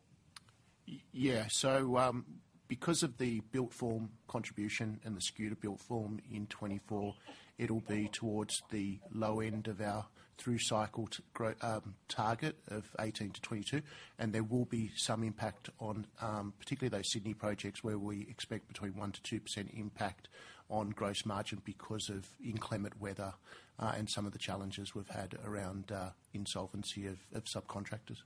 Because of the built form contribution and the skew to built form in 2024, it'll be towards the low end of our through cycle to grow target of 18-22, and there will be some impact on particularly those Sydney projects, where we expect between 1%-2% impact on gross margin because of inclement weather, and some of the challenges we've had around insolvency of subcontractors.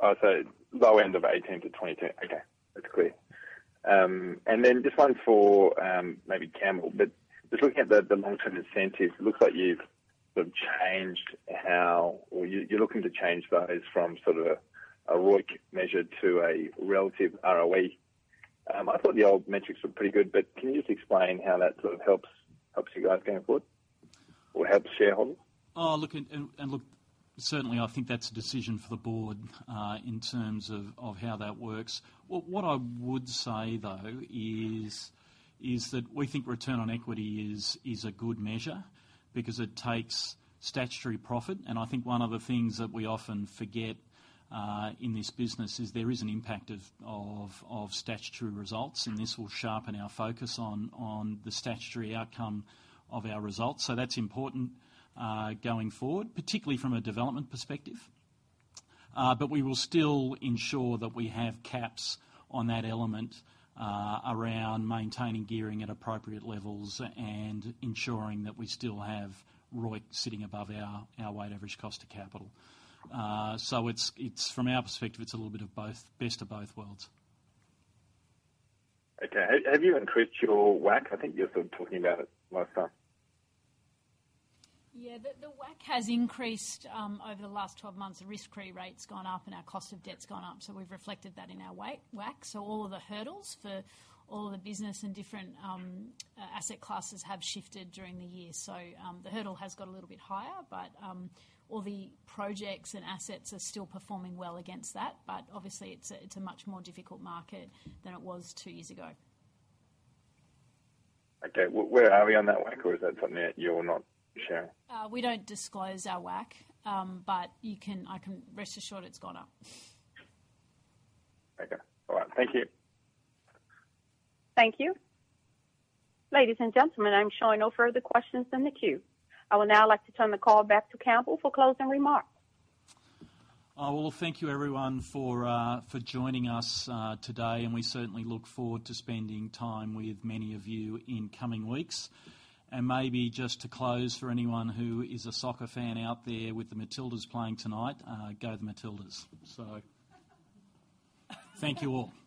Low end of 18-22. Okay, that's clear. Then just one for maybe Campbell, just looking at the long-term incentive, it looks like you've sort of changed how or you're looking to change those from sort of a ROIC measure to a relative ROE. I thought the old metrics were pretty good, can you just explain how that sort of helps, helps you guys going forward or helps the shareholder? Look, look, certainly, I think that's a decision for the board in terms of how that works. What I would say, though, is that we think ROE is a good measure because it takes statutory profit. I think one of the things that we often forget in this business is there is an impact of statutory results, and this will sharpen our focus on the statutory outcome of our results. That's important going forward, particularly from a development perspective. We will still ensure that we have caps on that element around maintaining gearing at appropriate levels and ensuring that we still have ROIC sitting above our WACC. It's from our perspective, it's a little bit of both, best of both worlds. Okay. Have you increased your WACC? I think you were sort of talking about it last time. Yeah, the, the WACC has increased over the last 12 months. The risk-free rate's gone up, and our cost of debt's gone up, so we've reflected that in our WACC. All of the hurdles for all of the business and different asset classes have shifted during the year. The hurdle has got a little bit higher but all the projects and assets are still performing well against that. Obviously, it's a, it's a much more difficult market than it was 2 years ago. Okay. Where are we on that WACC, or is that something that you're not sharing? We don't disclose our WACC. Rest assured, it's gone up. Okay, all right. Thank you. Thank you. Ladies and gentlemen, I'm showing no further questions in the queue. I would now like to turn the call back to Campbell for closing remarks. Well, thank you, everyone, for joining us today. We certainly look forward to spending time with many of you in coming weeks. Maybe just to close, for anyone who is a soccer fan out there with the Matildas playing tonight, go the Matildas! Thank you all.